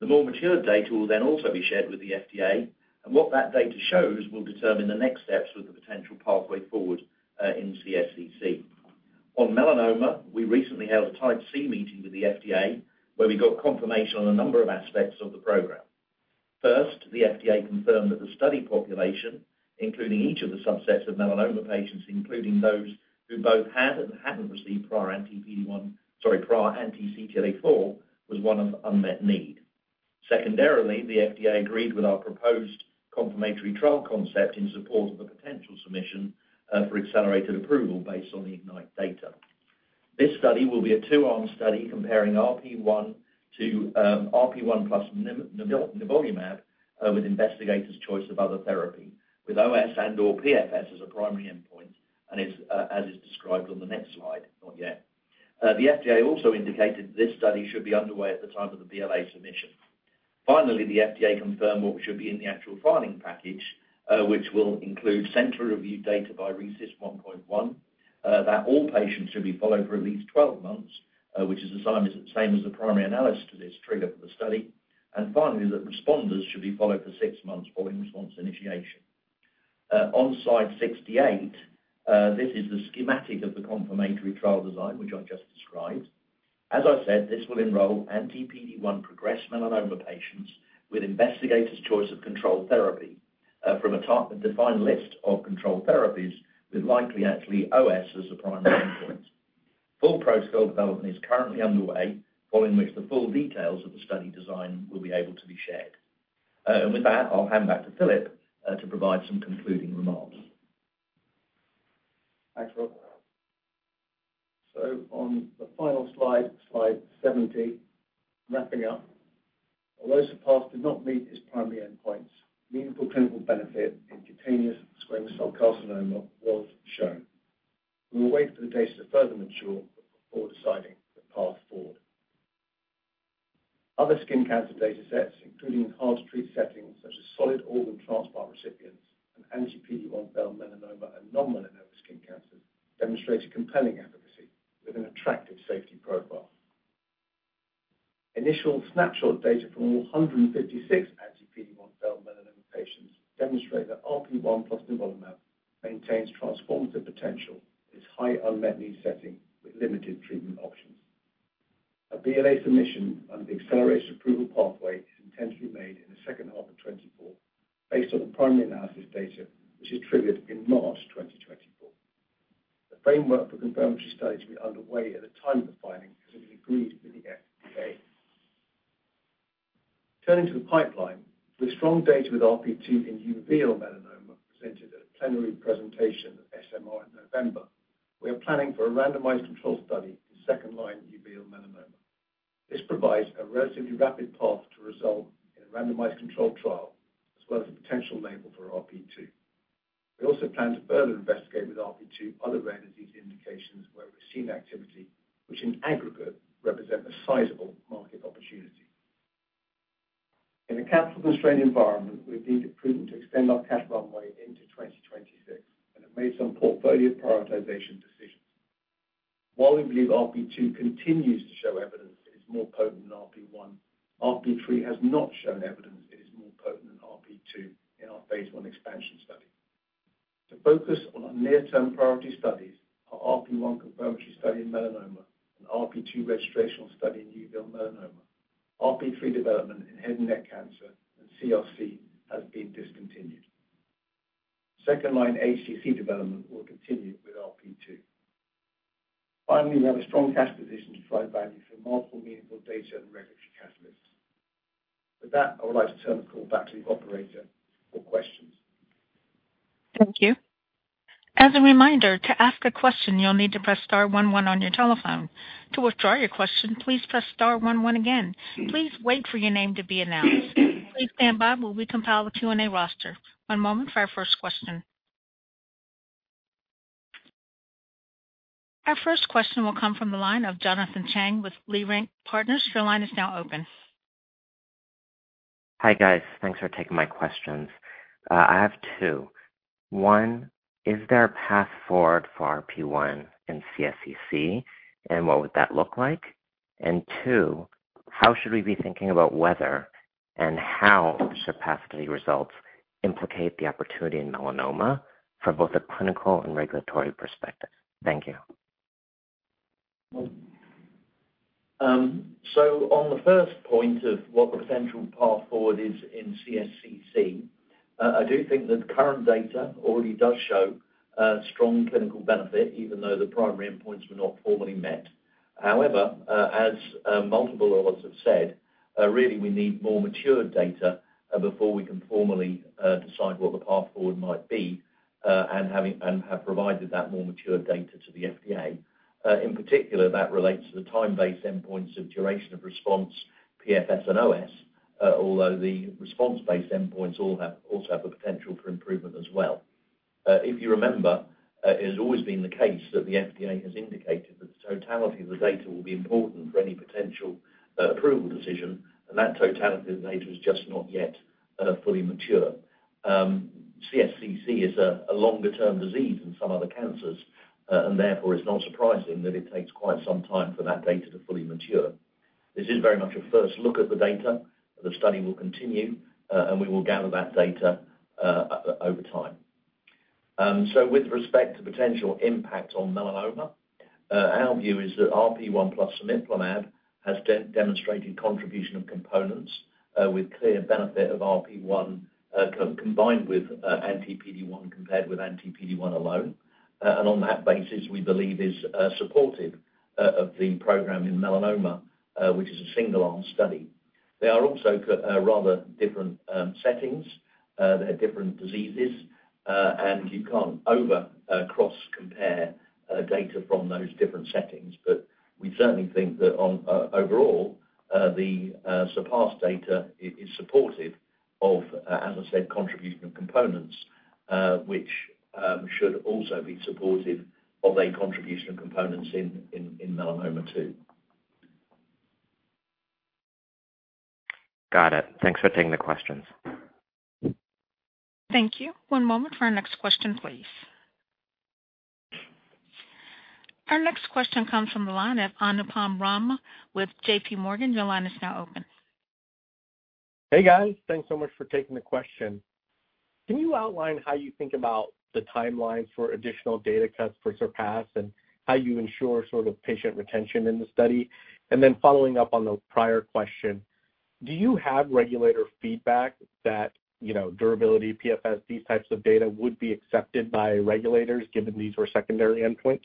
Speaker 5: The more mature data will then also be shared with the FDA, and what that data shows will determine the next steps for the potential pathway forward in CSCC. On melanoma, we recently held a Type C meeting with the FDA, where we got confirmation on a number of aspects of the program. First, the FDA confirmed that the study population, including each of the subsets of melanoma patients, including those who both had and hadn't received prior anti-PD-1, sorry, prior anti-CTLA-4, was one of unmet need. Secondarily, the FDA agreed with our proposed confirmatory trial concept in support of a potential submission for accelerated approval based on the IGNITE data. This study will be a two-arm study comparing RP1 to RP1 plus nivolumab with investigator's choice of other therapy, with OS and/or PFS as a primary endpoint and is as is described on the next slide, not yet. The FDA also indicated this study should be underway at the time of the BLA submission. Finally, the FDA confirmed what should be in the actual filing package, which will include central review data by RECIST 1.1. That all patients should be followed for at least 12 months, which is the same, same as the primary analysis to this trigger for the study. And finally, that responders should be followed for 6 months following response initiation. On slide 68, this is the schematic of the confirmatory trial design, which I just described. As I said, this will enroll anti-PD-1 progressed melanoma patients with investigator's choice of control therapy, from a top-defined list of control therapies, with likely actually OS as the primary endpoint. Full protocol development is currently underway, following which the full details of the study design will be able to be shared. And with that, I'll hand back to Philip, to provide some concluding remarks.
Speaker 2: Thanks, Rob. So on the final slide, slide 70, wrapping up. Although SURPASS did not meet its primary endpoints, meaningful clinical benefit in cutaneous squamous cell carcinoma was shown. We will wait for the data to further mature before deciding the path forward. Other skin cancer data sets, including enhanced treat settings such as solid organ transplant recipients and anti-PD-1 failed melanoma and non-melanoma skin cancers, demonstrated compelling efficacy with an attractive safety profile. Initial snapshot data from all 156 anti-PD-1 failed melanoma patients demonstrate that RP1 plus nivolumab maintains transformative potential in this high unmet need setting with limited treatment options. A BLA submission and the accelerated approval pathway is intentionally made in the second half of 2024, based on the primary analysis data, which is triggered in March 2024. The framework for confirmatory study to be underway at the time of the filing has been agreed with the FDA....
Speaker 5: Turning to the pipeline, with strong data with RP2 in uveal melanoma presented at a plenary presentation at SMR in November, we are planning for a randomized control study in second-line uveal melanoma. This provides a relatively rapid path to result in a randomized controlled trial, as well as a potential label for RP2. We also plan to further investigate with RP2 other rare disease indications where we've seen activity, which in aggregate, represent a sizable market opportunity. In a capital-constrained environment, we've deemed it prudent to extend our cash runway into 2026 and have made some portfolio prioritization decisions. While we believe RP2 continues to show evidence it is more potent than RP1, RP3 has not shown evidence it is more potent than RP2 in our phase I expansion study. To focus on our near-term priority studies, our RP1 confirmatory study in melanoma and RP2 registrational study in uveal melanoma, RP3 development in head and neck cancer and CRC has been discontinued. Second-line HCC development will continue with RP2. Finally, we have a strong cash position to provide value for multiple meaningful data and regulatory catalysts. With that, I would like to turn the call back to the operator for questions.
Speaker 1: Thank you. As a reminder, to ask a question, you'll need to press star one one on your telephone. To withdraw your question, please press star one one again. Please wait for your name to be announced. Please stand by while we compile the Q&A roster. One moment for our first question. Our first question will come from the line of Jonathan Chang with Leerink Partners. Your line is now open.
Speaker 8: Hi, guys. Thanks for taking my questions. I have two. One, is there a path forward for RP1 and CSCC, and what would that look like? And two, how should we be thinking about whether and how SURPASS results implicate the opportunity in melanoma from both a clinical and regulatory perspective? Thank you.
Speaker 5: So on the first point of what the potential path forward is in CSCC, I do think that the current data already does show strong clinical benefit, even though the primary endpoints were not formally met. However, as multiple others have said, really, we need more mature data before we can formally decide what the path forward might be, and have provided that more mature data to the FDA. In particular, that relates to the time-based endpoints of duration of response, PFS and OS, although the response-based endpoints all have also have the potential for improvement as well. If you remember, it has always been the case that the FDA has indicated that the totality of the data will be important for any potential approval decision, and that totality of the data is just not yet fully mature. CSCC is a longer-term disease than some other cancers, and therefore, it's not surprising that it takes quite some time for that data to fully mature. This is very much a first look at the data. The study will continue, and we will gather that data over time. So with respect to potential impact on melanoma, our view is that RP1 plus cemiplimab has demonstrated contribution of components, with clear benefit of RP1, combined with anti-PD-1, compared with anti-PD-1 alone. And on that basis, we believe is supportive of the program in melanoma, which is a single-arm study. They are also rather different settings. They're different diseases, and you can't over cross-compare data from those different settings. But we certainly think that, on overall, the SURPASS data is supportive of, as I said, contribution of components, which should also be supportive of a contribution of components in melanoma, too.
Speaker 8: Got it. Thanks for taking the questions.
Speaker 1: Thank you. One moment for our next question, please. Our next question comes from the line of Anupam Rama with J.P. Morgan. Your line is now open.
Speaker 9: Hey, guys. Thanks so much for taking the question. Can you outline how you think about the timelines for additional data cuts for SURPASS and how you ensure sort of patient retention in the study? And then following up on the prior question, do you have regulator feedback that, you know, durability, PFS, these types of data would be accepted by regulators, given these were secondary endpoints?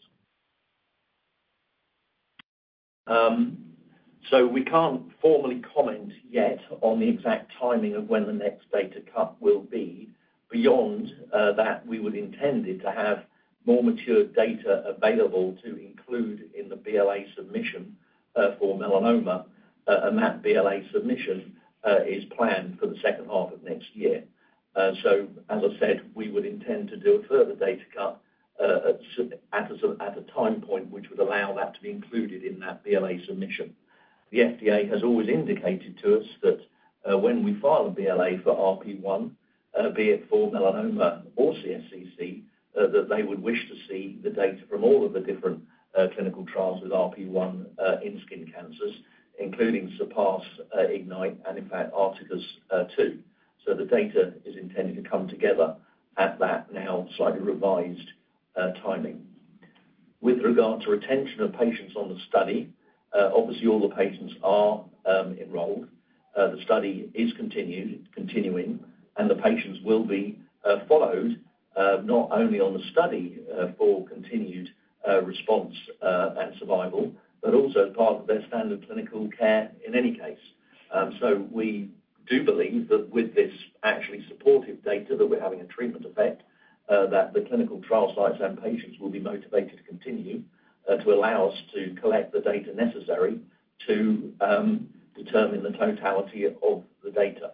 Speaker 5: So we can't formally comment yet on the exact timing of when the next data cut will be. Beyond that, we would intend it to have more mature data available to include in the BLA submission for melanoma, and that BLA submission is planned for the second half of next year. So as I said, we would intend to do a further data cut at a time point, which would allow that to be included in that BLA submission. The FDA has always indicated to us that when we file a BLA for RP1, be it for melanoma or CSCC, that they would wish to see the data from all of the different clinical trials with RP1 in skin cancers, including SURPASS, IGNITE, and in fact, ARTICUS, too. The data is intended to come together at that now slightly revised timing. With regard to retention of patients on the study, obviously, all the patients are enrolled. The study is continuing, and the patients will be followed not only on the study for continued response and survival, but also as part of their standard clinical care in any case. We do believe that with this actually supportive data, that we're having a treatment effect, that the clinical trial sites and patients will be motivated to continue to allow us to collect the data necessary to determine the totality of the data.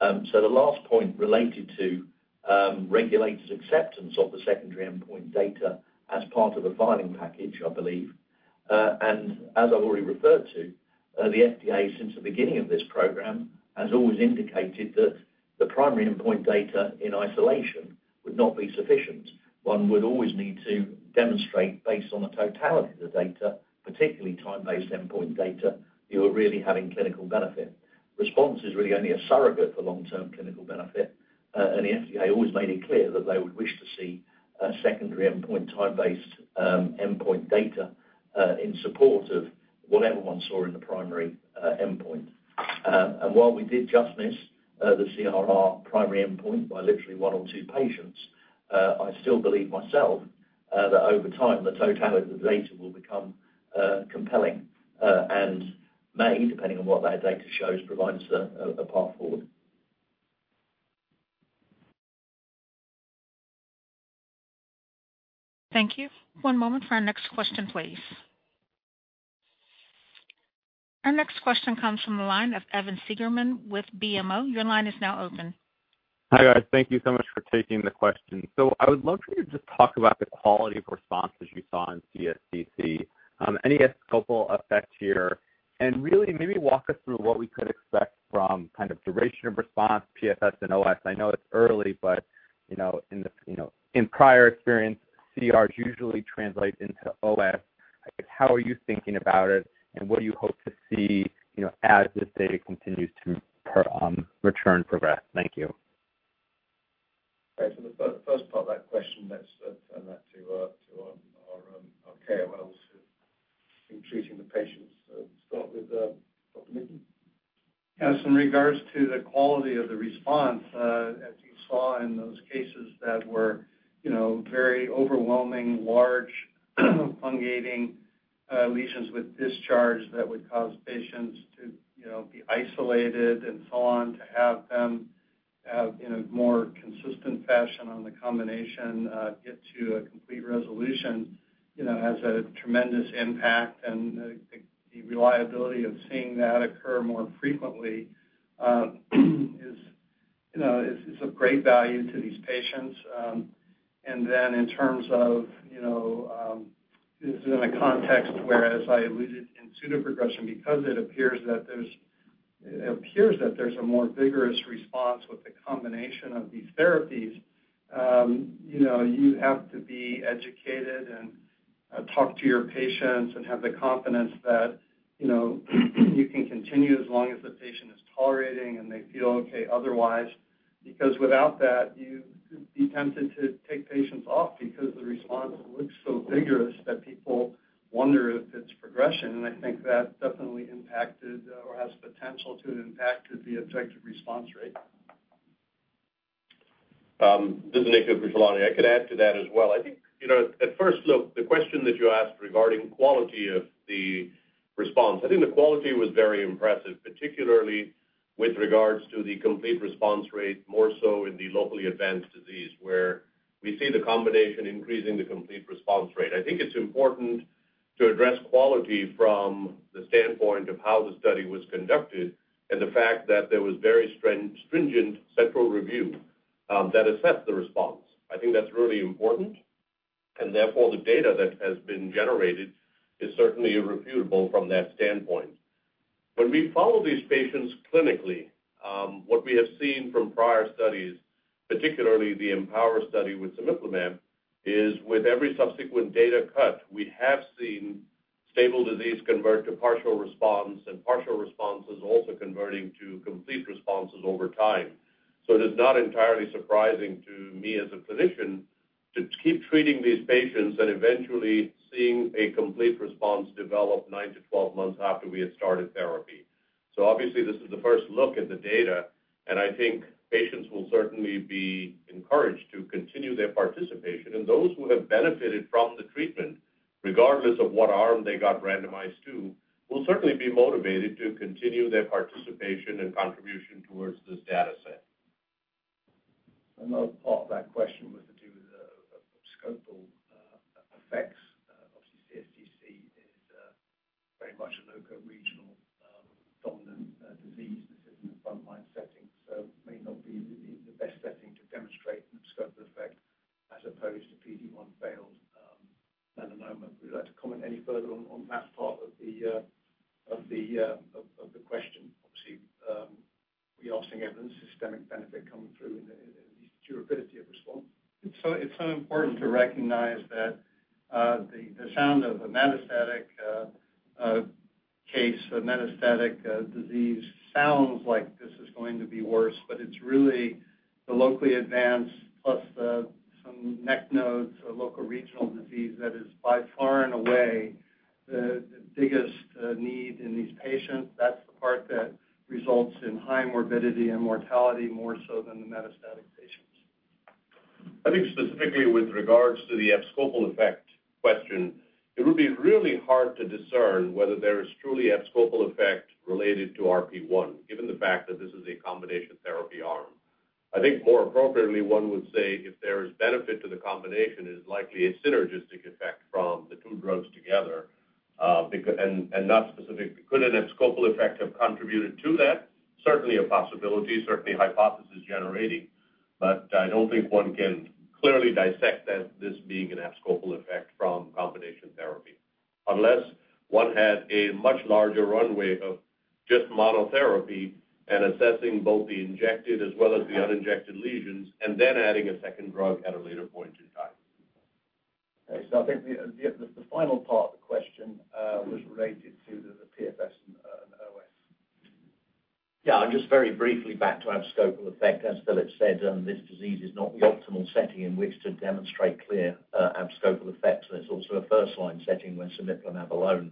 Speaker 5: The last point related to regulators' acceptance of the secondary endpoint data as part of a filing package, I believe. And as I've already referred to, the FDA since the beginning of this program has always indicated that the primary endpoint data in isolation would not be sufficient. One would always need to demonstrate based on the totality of the data, particularly time-based endpoint data, you are really having clinical benefit. Response is really only a surrogate for long-term clinical benefit, and the FDA always made it clear that they would wish to see a secondary endpoint, time-based, endpoint data in support of whatever one saw in the primary endpoint. And while we did just miss the CRR primary endpoint by literally 1 or 2 patients, I still believe myself that over time, the totality of the data will become compelling, and may, depending on what that data shows, provide us a path forward.
Speaker 1: Thank you. One moment for our next question, please. Our next question comes from the line of Evan Segerman with BMO. Your line is now open.
Speaker 10: Hi, guys. Thank you so much for taking the question. So I would love for you to just talk about the quality of responses you saw in CSCC, any abscopal effect here, and really maybe walk us through what we could expect from kind of duration of response, PFS and OS. I know it's early, but, you know, in the, you know, in prior experience, CRs usually translate into OS. How are you thinking about it, and what do you hope to see, you know, as this data continues to, return progress? Thank you.
Speaker 5: Right. So the first part of that question, let's turn that to our KOLs who've been treating the patients. Start with Dr. Middleton.
Speaker 4: Yes, in regards to the quality of the response, as you saw in those cases that were, you know, very overwhelming, large, fungating lesions with discharge that would cause patients to, you know, be isolated and so on, to have them, in a more consistent fashion on the combination, get to a complete resolution, you know, has a tremendous impact. And the reliability of seeing that occur more frequently, is, you know, is of great value to these patients. And then in terms of, you know, this is in a context where, as I alluded in pseudoprogression, because it appears that there's a more vigorous response with the combination of these therapies, you know, you have to be educated and, talk to your patients and have the confidence that, you know, you can continue as long as the patient is tolerating, and they feel okay otherwise. Because without that, you could be tempted to take patients off because the response looks so vigorous that people wonder if it's progression. And I think that definitely impacted or has potential to impact the objective response rate.
Speaker 3: This is Nikhil Khushalani. I could add to that as well. I think, you know, at first look, the question that you asked regarding quality of the response, I think the quality was very impressive, particularly with regards to the complete response rate, more so in the locally advanced disease, where we see the combination increasing the complete response rate. I think it's important to address quality from the standpoint of how the study was conducted and the fact that there was very stringent central review that assessed the response. I think that's really important, and therefore, the data that has been generated is certainly irrefutable from that standpoint. When we follow these patients clinically, what we have seen from prior studies, particularly the EMPOWER study with cemiplimab, is with every subsequent data cut, we have seen stable disease convert to partial response, and partial responses also converting to complete responses over time. So it is not entirely surprising to me as a physician to keep treating these patients and eventually seeing a complete response develop 9-12 months after we had started therapy. So obviously, this is the first look at the data, and I think patients will certainly be encouraged to continue their participation. And those who have benefited from the treatment, regardless of what arm they got randomized to, will certainly be motivated to continue their participation and contribution towards this data set.
Speaker 5: Another part of that question was to do with the abscopal effects. Obviously, CSCC is very much a local regional dominant disease. This is in a front-line setting, so it may not be the best setting to demonstrate the abscopal effect as opposed to PD-1 failed melanoma. Would you like to comment any further on that part of the question? Obviously, we are seeing evidence of systemic benefit coming through in the durability of response.
Speaker 4: It's so, it's so important to recognize that the sound of a metastatic case, a metastatic disease sounds like this is going to be worse, but it's really the locally advanced, plus some neck nodes or local regional disease that is by far and away-... the biggest need in these patients. That's the part that results in high morbidity and mortality, more so than the metastatic patients.
Speaker 3: I think specifically with regards to the abscopal effect question, it would be really hard to discern whether there is truly abscopal effect related to RP1, given the fact that this is a combination therapy arm. I think more appropriately, one would say, if there is benefit to the combination, it is likely a synergistic effect from the two drugs together, because and not specific. Could an abscopal effect have contributed to that? Certainly, a possibility, certainly hypothesis-generating, but I don't think one can clearly dissect that, this being an abscopal effect from combination therapy. Unless one had a much larger runway of just monotherapy and assessing both the injected as well as the uninjected lesions, and then adding a second drug at a later point in time.
Speaker 4: So I think the final part of the question was related to the PFS and OS.
Speaker 5: Yeah, and just very briefly back to abscopal effect, as Philip said, this disease is not the optimal setting in which to demonstrate clear, abscopal effect. And it's also a first-line setting where cemiplimab alone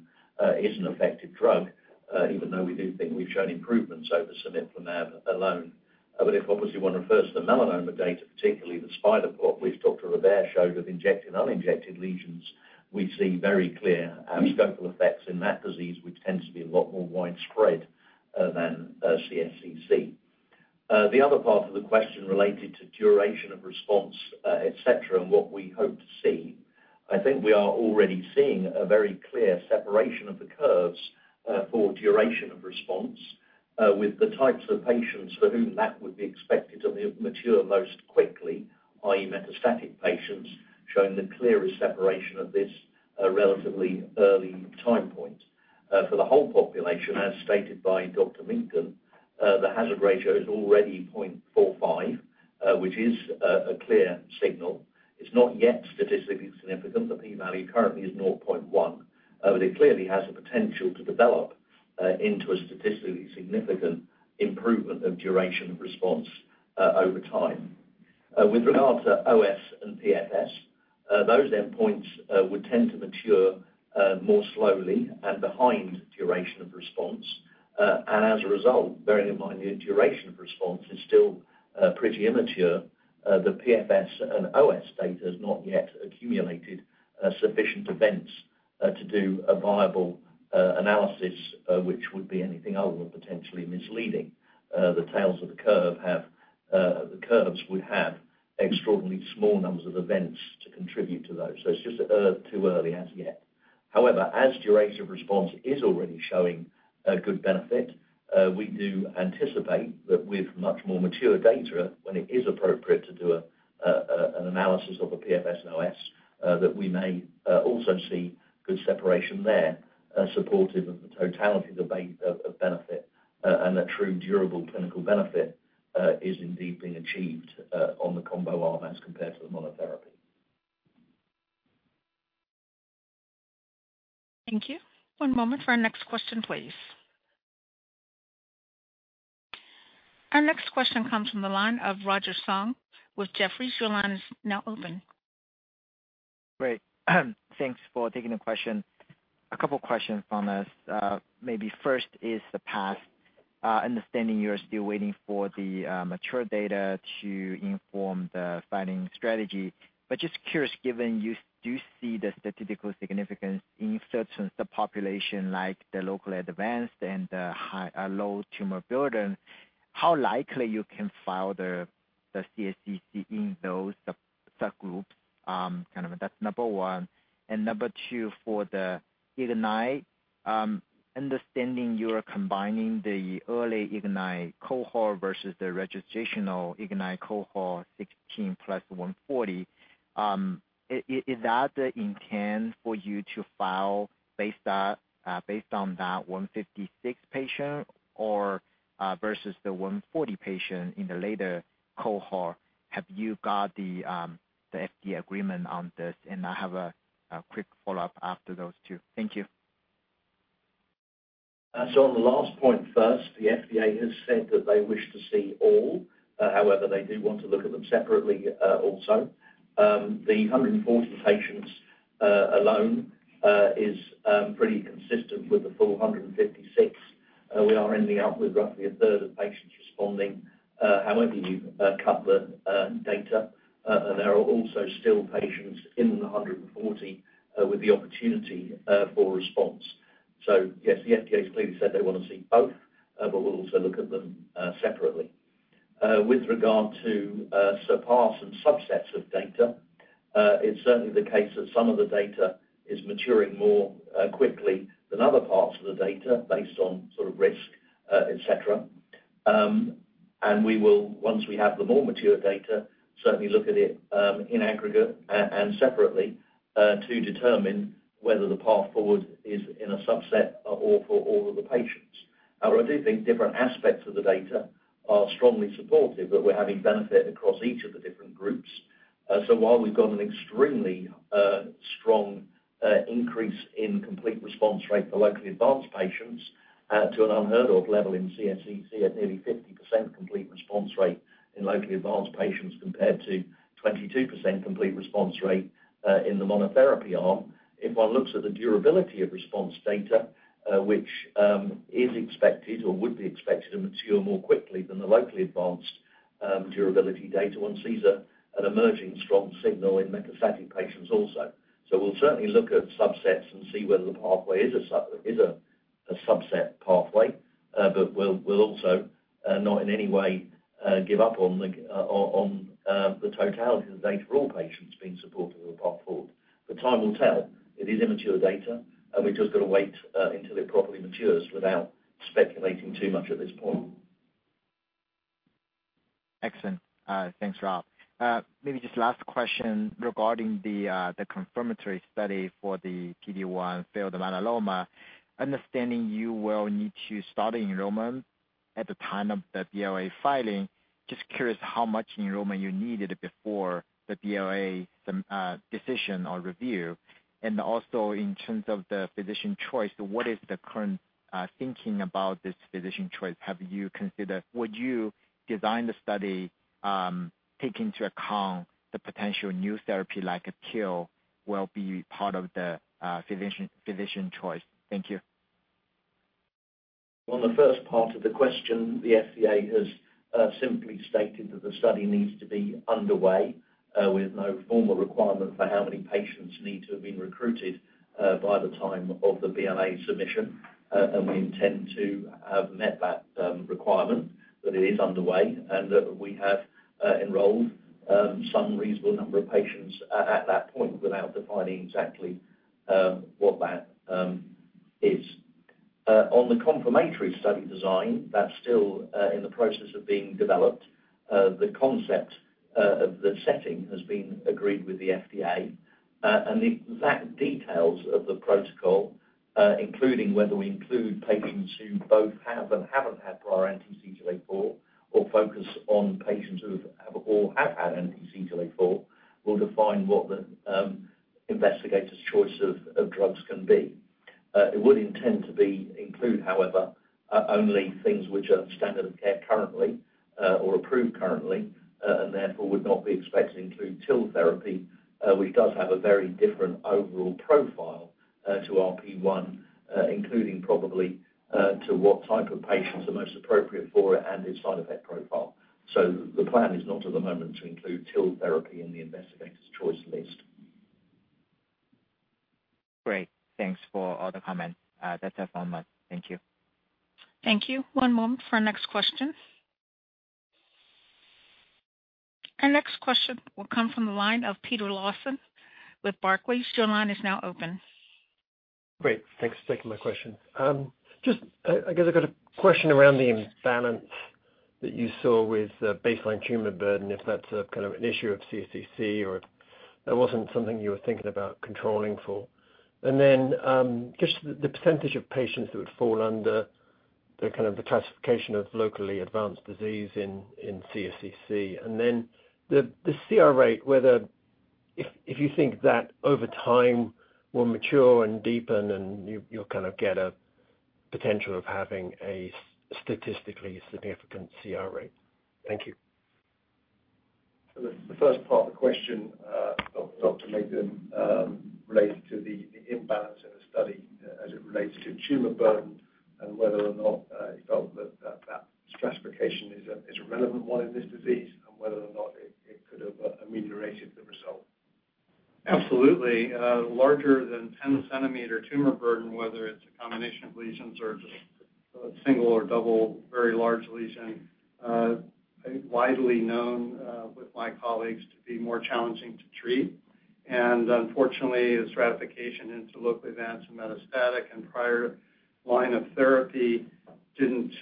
Speaker 5: is an effective drug, even though we do think we've shown improvements over cemiplimab alone. But if obviously, one refers to the melanoma data, particularly the spider plot which Dr. Robert showed of injected, uninjected lesions, we see very clear abscopal effects in that disease, which tends to be a lot more widespread than CSCC. The other part of the question related to duration of response, et cetera, and what we hope to see. I think we are already seeing a very clear separation of the curves for duration of response with the types of patients for whom that would be expected to mature most quickly, i.e., metastatic patients, showing the clearest separation of this relatively early time point. For the whole population, as stated by Dr. Migden, the hazard ratio is already 0.45, which is a clear signal. It's not yet statistically significant. The P value currently is 0.1, but it clearly has the potential to develop into a statistically significant improvement of duration and response over time. With regard to OS and PFS, those endpoints would tend to mature more slowly and behind duration of response. As a result, bearing in mind the duration of response is still pretty immature, the PFS and OS data has not yet accumulated sufficient events to do a viable analysis, which would be anything other than potentially misleading. The tails of the curves would have extraordinarily small numbers of events to contribute to those. So it's just too early as yet. However, as duration of response is already showing a good benefit, we do anticipate that with much more mature data, when it is appropriate to do a, an analysis of a PFS and OS, that we may also see good separation there, supportive of the totality of the benefit, and a true durable clinical benefit is indeed being achieved on the combo arm as compared to the monotherapy.
Speaker 1: Thank you. One moment for our next question, please. Our next question comes from the line of Roger Song with Jefferies. Your line is now open.
Speaker 11: Great. Thanks for taking the question. A couple questions from us. Maybe first is the path, understanding you are still waiting for the mature data to inform the filing strategy. But just curious, given you do see the statistical significance in certain subpopulation, like the locally advanced and the high, low tumor burden, how likely you can file the, the CSCC in those subgroups? Kind of that's number one. And number two, for the IGNITE, understanding you are combining the early IGNITE cohort versus the registrational IGNITE cohort, 16 + 140, is that the intent for you to file based on, based on that 156 patient or, versus the 140 patient in the later cohort? Have you got the FDA agreement on this? And I have a quick follow-up after those two. Thank you.
Speaker 5: So on the last point first, the FDA has said that they wish to see all, however, they do want to look at them separately, also. The 140 patients alone is pretty consistent with the full 156. We are ending up with roughly a third of patients responding, however you cut the data. There are also still patients in the 140 with the opportunity for response. So yes, the FDA has clearly said they want to see both, but we'll also look at them separately. With regard to SURPASS and subsets of data, it's certainly the case that some of the data is maturing more quickly than other parts of the data based on sort of risk, et cetera. We will, once we have the more mature data, certainly look at it in aggregate and separately to determine whether the path forward is in a subset or for all of the patients. But I do think different aspects of the data are strongly supportive that we're having benefit across each of the different groups. So while we've got an extremely strong increase in complete response rate for locally advanced patients to an unheard-of level in CSCC at nearly 50% complete response rate in locally advanced patients, compared to 22% complete response rate in the monotherapy arm. If one looks at the durability of response data, which is expected or would be expected to mature more quickly than the locally advanced durability data, one sees an emerging strong signal in metastatic patients also. So we'll certainly look at subsets and see whether the pathway is a subset pathway, but we'll also not in any way give up on the totality of the data for all patients being supportive of the path forward. But time will tell. It is immature data, and we've just got to wait until it properly matures without speculating too much at this point.
Speaker 11: Excellent. Thanks, Rob. Maybe just last question regarding the confirmatory study for the PD-1 failed melanoma. Understanding you will need to start the enrollment at the time of the BLA filing, just curious how much enrollment you needed before the BLA decision or review. And also in terms of the physician choice, what is the current thinking about this physician choice? Have you considered—would you design the study take into account the potential new therapy like a TIL will be part of the physician choice? Thank you.
Speaker 5: On the first part of the question, the FDA has simply stated that the study needs to be underway, with no formal requirement for how many patients need to have been recruited, by the time of the BLA submission. And we intend to have met that requirement, that it is underway and that we have enrolled some reasonable number of patients at that point without defining exactly what that is. On the complementary study design, that's still in the process of being developed. The concept of the setting has been agreed with the FDA, and the exact details of the protocol, including whether we include patients who both have and haven't had prior anti-CTLA-4, or focus on patients who have or have had anti-CTLA-4, will define what the investigator's choice of drugs can be. It would intend to be include, however, only things which are standard of care currently, or approved currently, and therefore would not be expected to include TIL therapy, which does have a very different overall profile to RP1, including probably to what type of patients are most appropriate for it and its side effect profile. So the plan is not at the moment to include TIL therapy in the investigator's choice list.
Speaker 11: Great. Thanks for all the comments. That's it from us. Thank you.
Speaker 1: Thank you. One moment for our next question. Our next question will come from the line of Peter Lawson with Barclays. Your line is now open.
Speaker 12: Great, thanks for taking my question. Just, I guess I got a question around the imbalance that you saw with the baseline tumor burden, if that's a kind of an issue of CSCC, or if that wasn't something you were thinking about controlling for. And then, just the percentage of patients that would fall under the kind of the classification of locally advanced disease in CSCC, and then the CR rate, whether you think that over time will mature and deepen and you'll kind of get a potential of having a statistically significant CR rate. Thank you.
Speaker 5: So the first part of the question, Dr. Macon, relates to the imbalance in the study as it relates to tumor burden and whether or not you felt that stratification is a relevant one in this disease and whether or not it could have ameliorated the result.
Speaker 4: Absolutely. Larger than 10 cm tumor burden, whether it's a combination of lesions or just a single or double, very large lesion, I think widely known with my colleagues to be more challenging to treat. And unfortunately, a stratification into locally advanced and metastatic and prior line of therapy didn't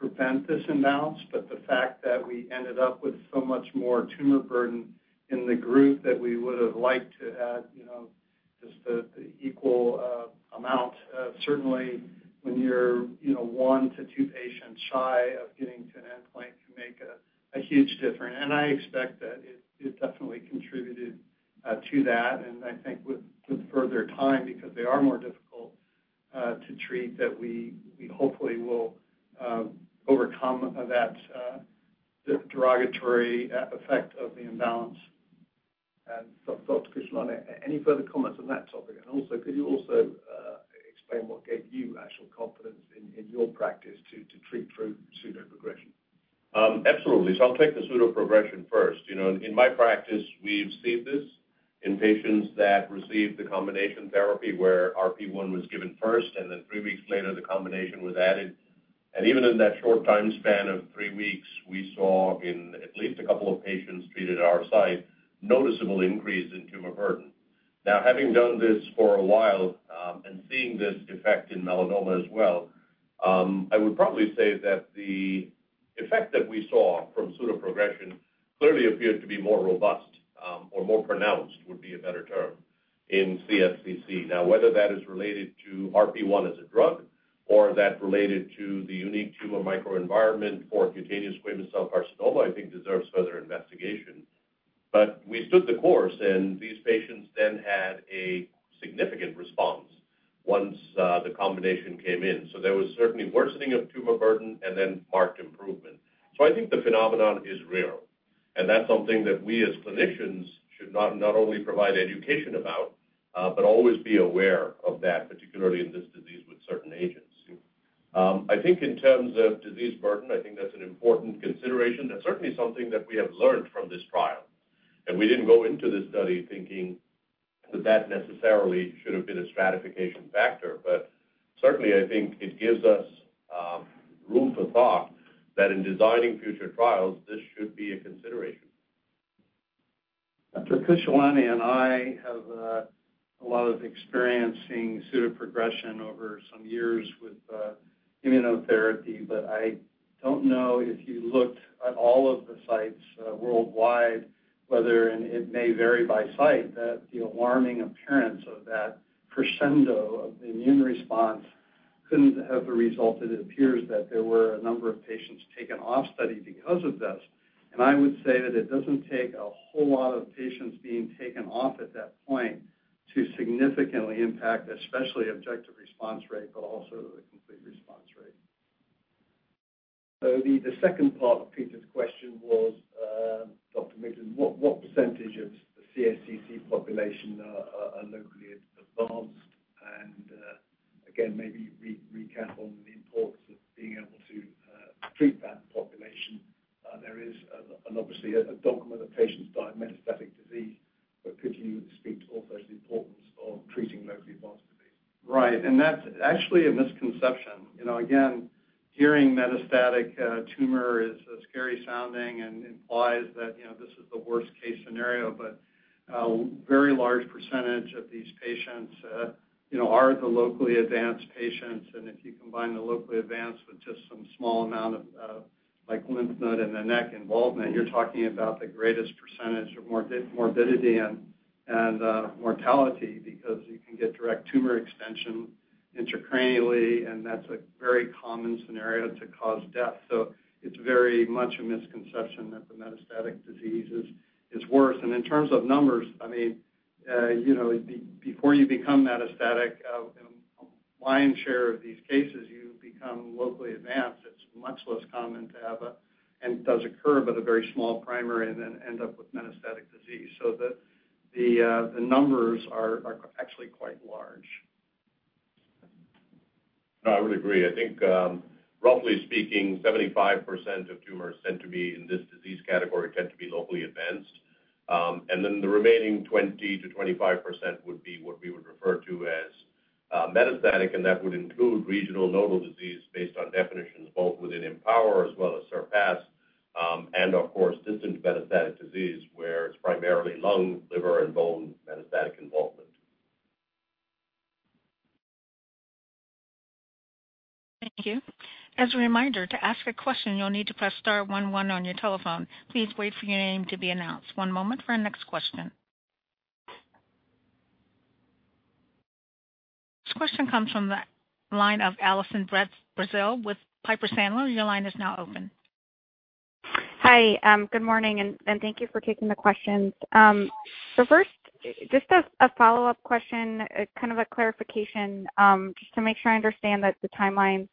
Speaker 4: prevent this imbalance. But the fact that we ended up with so much more tumor burden in the group that we would have liked to have, you know, just the equal amount, certainly when you're, you know, 1-2 patients shy of getting to an endpoint can make a huge difference. And I expect that it definitely contributed to that. I think with further time, because they are more difficult to treat, that we hopefully will overcome that derogatory effect of the imbalance.
Speaker 5: Dr. Kishida, any further comments on that topic? Also, could you also explain what gave you actual confidence in your practice to treat through pseudoprogression?
Speaker 11: Absolutely. So I'll take the pseudoprogression first. You know, in my practice, we've seen this in patients that received the combination therapy, where RP1 was given first, and then 3 weeks later, the combination was added. And even in that short time span of 3 weeks, we saw in at least a couple of patients treated at our site, noticeable increase in tumor burden. Now, having done this for a while, and seeing this effect in melanoma as well, I would probably say that the effect that we saw pseudoprogression clearly appeared to be more robust, or more pronounced, would be a better term....
Speaker 3: in CSCC. Now, whether that is related to RP1 as a drug, or that related to the unique tumor microenvironment for cutaneous squamous cell carcinoma, I think deserves further investigation. But we stood the course, and these patients then had a significant response once the combination came in. So there was certainly worsening of tumor burden and then marked improvement. So I think the phenomenon is real, and that's something that we as clinicians should not, not only provide education about, but always be aware of that, particularly in this disease with certain agents. I think in terms of disease burden, I think that's an important consideration. That's certainly something that we have learned from this trial. And we didn't go into this study thinking that, that necessarily should have been a stratification factor. But certainly, I think it gives us room for thought that in designing future trials, this should be a consideration.
Speaker 4: Dr. Khushalani and I have a lot of experience pseudoprogression over some years with immunotherapy, but I don't know if you looked at all of the sites worldwide, whether and it may vary by site, that the alarming appearance of that crescendo of the immune response couldn't have resulted. It appears that there were a number of patients taken off study because of this. I would say that it doesn't take a whole lot of patients being taken off at that point to significantly impact, especially objective response rate, but also the complete response rate.
Speaker 5: So the second part of Peter's question was, Dr. Middleton, what percentage of the CSCC population are locally advanced? And again, maybe recap on the importance of being able to treat that population. There is, and obviously a dogma that patients die of metastatic disease, but could you speak to also the importance of treating locally advanced disease?
Speaker 4: Right, and that's actually a misconception. You know, again, hearing metastatic tumor is scary sounding and implies that, you know, this is the worst-case scenario, but very large percentage of these patients, you know, are the locally advanced patients. And if you combine the locally advanced with just some small amount of, like, lymph node in the neck involvement, you're talking about the greatest percentage of morbidity and mortality because you can get direct tumor extension intracranially, and that's a very common scenario to cause death. So it's very much a misconception that the metastatic disease is worse. And in terms of numbers, I mean, you know, before you become metastatic, in a lion's share of these cases, you become locally advanced. It's much less common to have a... It does occur, but a very small primary, and then end up with metastatic disease. The numbers are actually quite large.
Speaker 3: I would agree. I think, roughly speaking, 75% of tumors tend to be in this disease category, tend to be locally advanced. And then the remaining 20%-25% would be what we would refer to as, metastatic, and that would include regional nodal disease based on definitions both within IMpower as well as SURPASS, and of course, distant metastatic disease, where it's primarily lung, liver, and bone metastatic involvement.
Speaker 1: Thank you. As a reminder, to ask a question, you'll need to press star one one on your telephone. Please wait for your name to be announced. One moment for our next question. This question comes from the line of Allison Bratzel with Piper Sandler. Your line is now open.
Speaker 13: Hi, good morning, and thank you for taking the questions. So first, just a follow-up question, kind of a clarification, just to make sure I understand that the timeline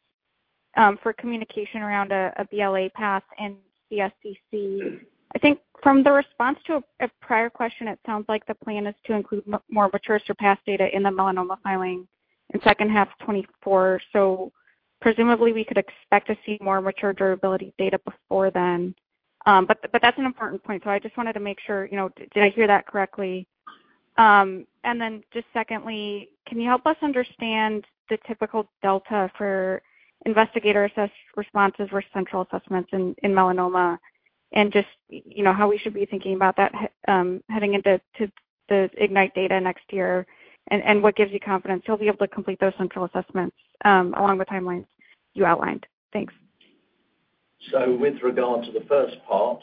Speaker 13: for communication around a BLA path and CSCC. I think from the response to a prior question, it sounds like the plan is to include more mature SURPASS data in the melanoma filing in second half 2024. So presumably, we could expect to see more mature durability data before then. But that's an important point. So I just wanted to make sure, you know, did I hear that correctly? And then just secondly, can you help us understand the typical delta for investigator-assessed responses versus central assessments in melanoma? And just, you know, how we should be thinking about that, heading into, to the IGNITE data next year, and what gives you confidence you'll be able to complete those central assessments, along the timelines you outlined? Thanks.
Speaker 5: So with regard to the first part,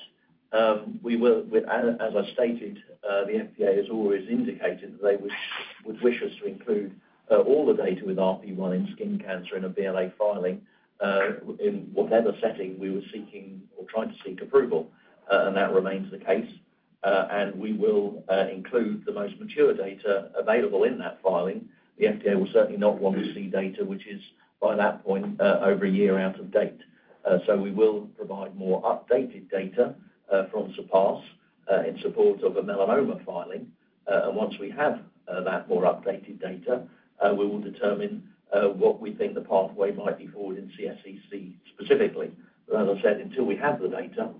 Speaker 5: as I stated, the FDA has always indicated that they would wish us to include all the data with RP1 in skin cancer in a BLA filing, in whatever setting we were seeking or trying to seek approval, and that remains the case, and we will include the most mature data available in that filing. The FDA will certainly not want to see data which is, by that point, over a year out of date. So we will provide more updated data from SURPASS in support of a melanoma filing, and once we have that more updated data, we will determine what we think the pathway might be forward in CSCC specifically. But as I said, until we have the data,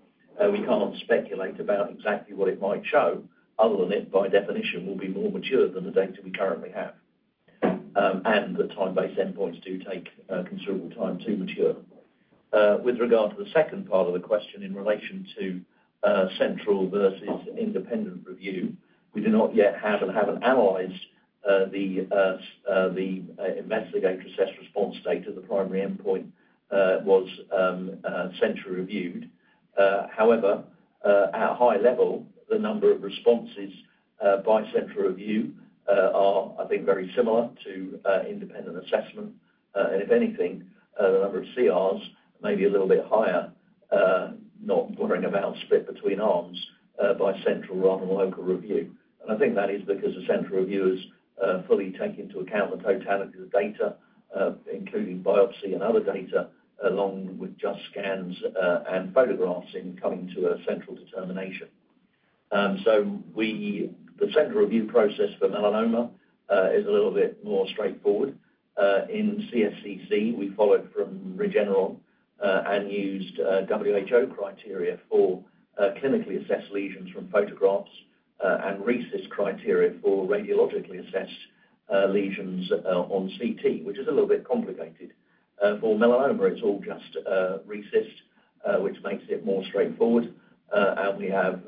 Speaker 5: we can't speculate about exactly what it might show other than it, by definition, will be more mature than the data we currently have, and the time-based endpoints do take considerable time to mature. With regard to the second part of the question in relation to central versus independent review, we do not yet have and haven't analyzed the investigator-assessed response data; the primary endpoint was centrally reviewed. However, at a high level, the number of responses by central review are, I think, very similar to independent assessment. And if anything, the number of CRs may be a little bit higher, not worrying about split between arms, by central rather than local review. And I think that is because the central reviewers fully take into account the totality of the data, including biopsy and other data, along with just scans, and photographs in coming to a central determination. And so the central review process for melanoma is a little bit more straightforward. In CSCC, we followed from Regeneron and used WHO criteria for clinically assessed lesions from photographs, and RECIST criteria for radiologically assessed lesions on CT, which is a little bit complicated. For melanoma, it's all just RECIST, which makes it more straightforward, and we have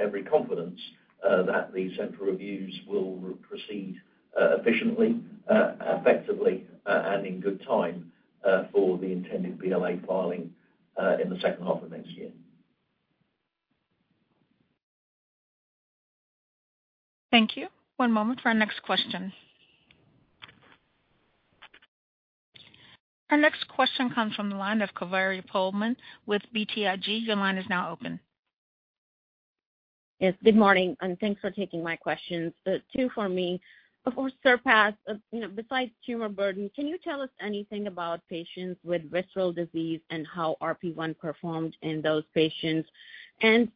Speaker 5: every confidence that the central reviews will proceed efficiently, effectively, and in good time for the intended BLA filing in the second half of next year.
Speaker 1: Thank you. One moment for our next question. Our next question comes from the line of Kaveri Poleman with BTIG. Your line is now open.
Speaker 14: Yes, good morning, and thanks for taking my questions. Two for me. For SURPASS, you know, besides tumor burden, can you tell us anything about patients with visceral disease and how RP1 performed in those patients? And,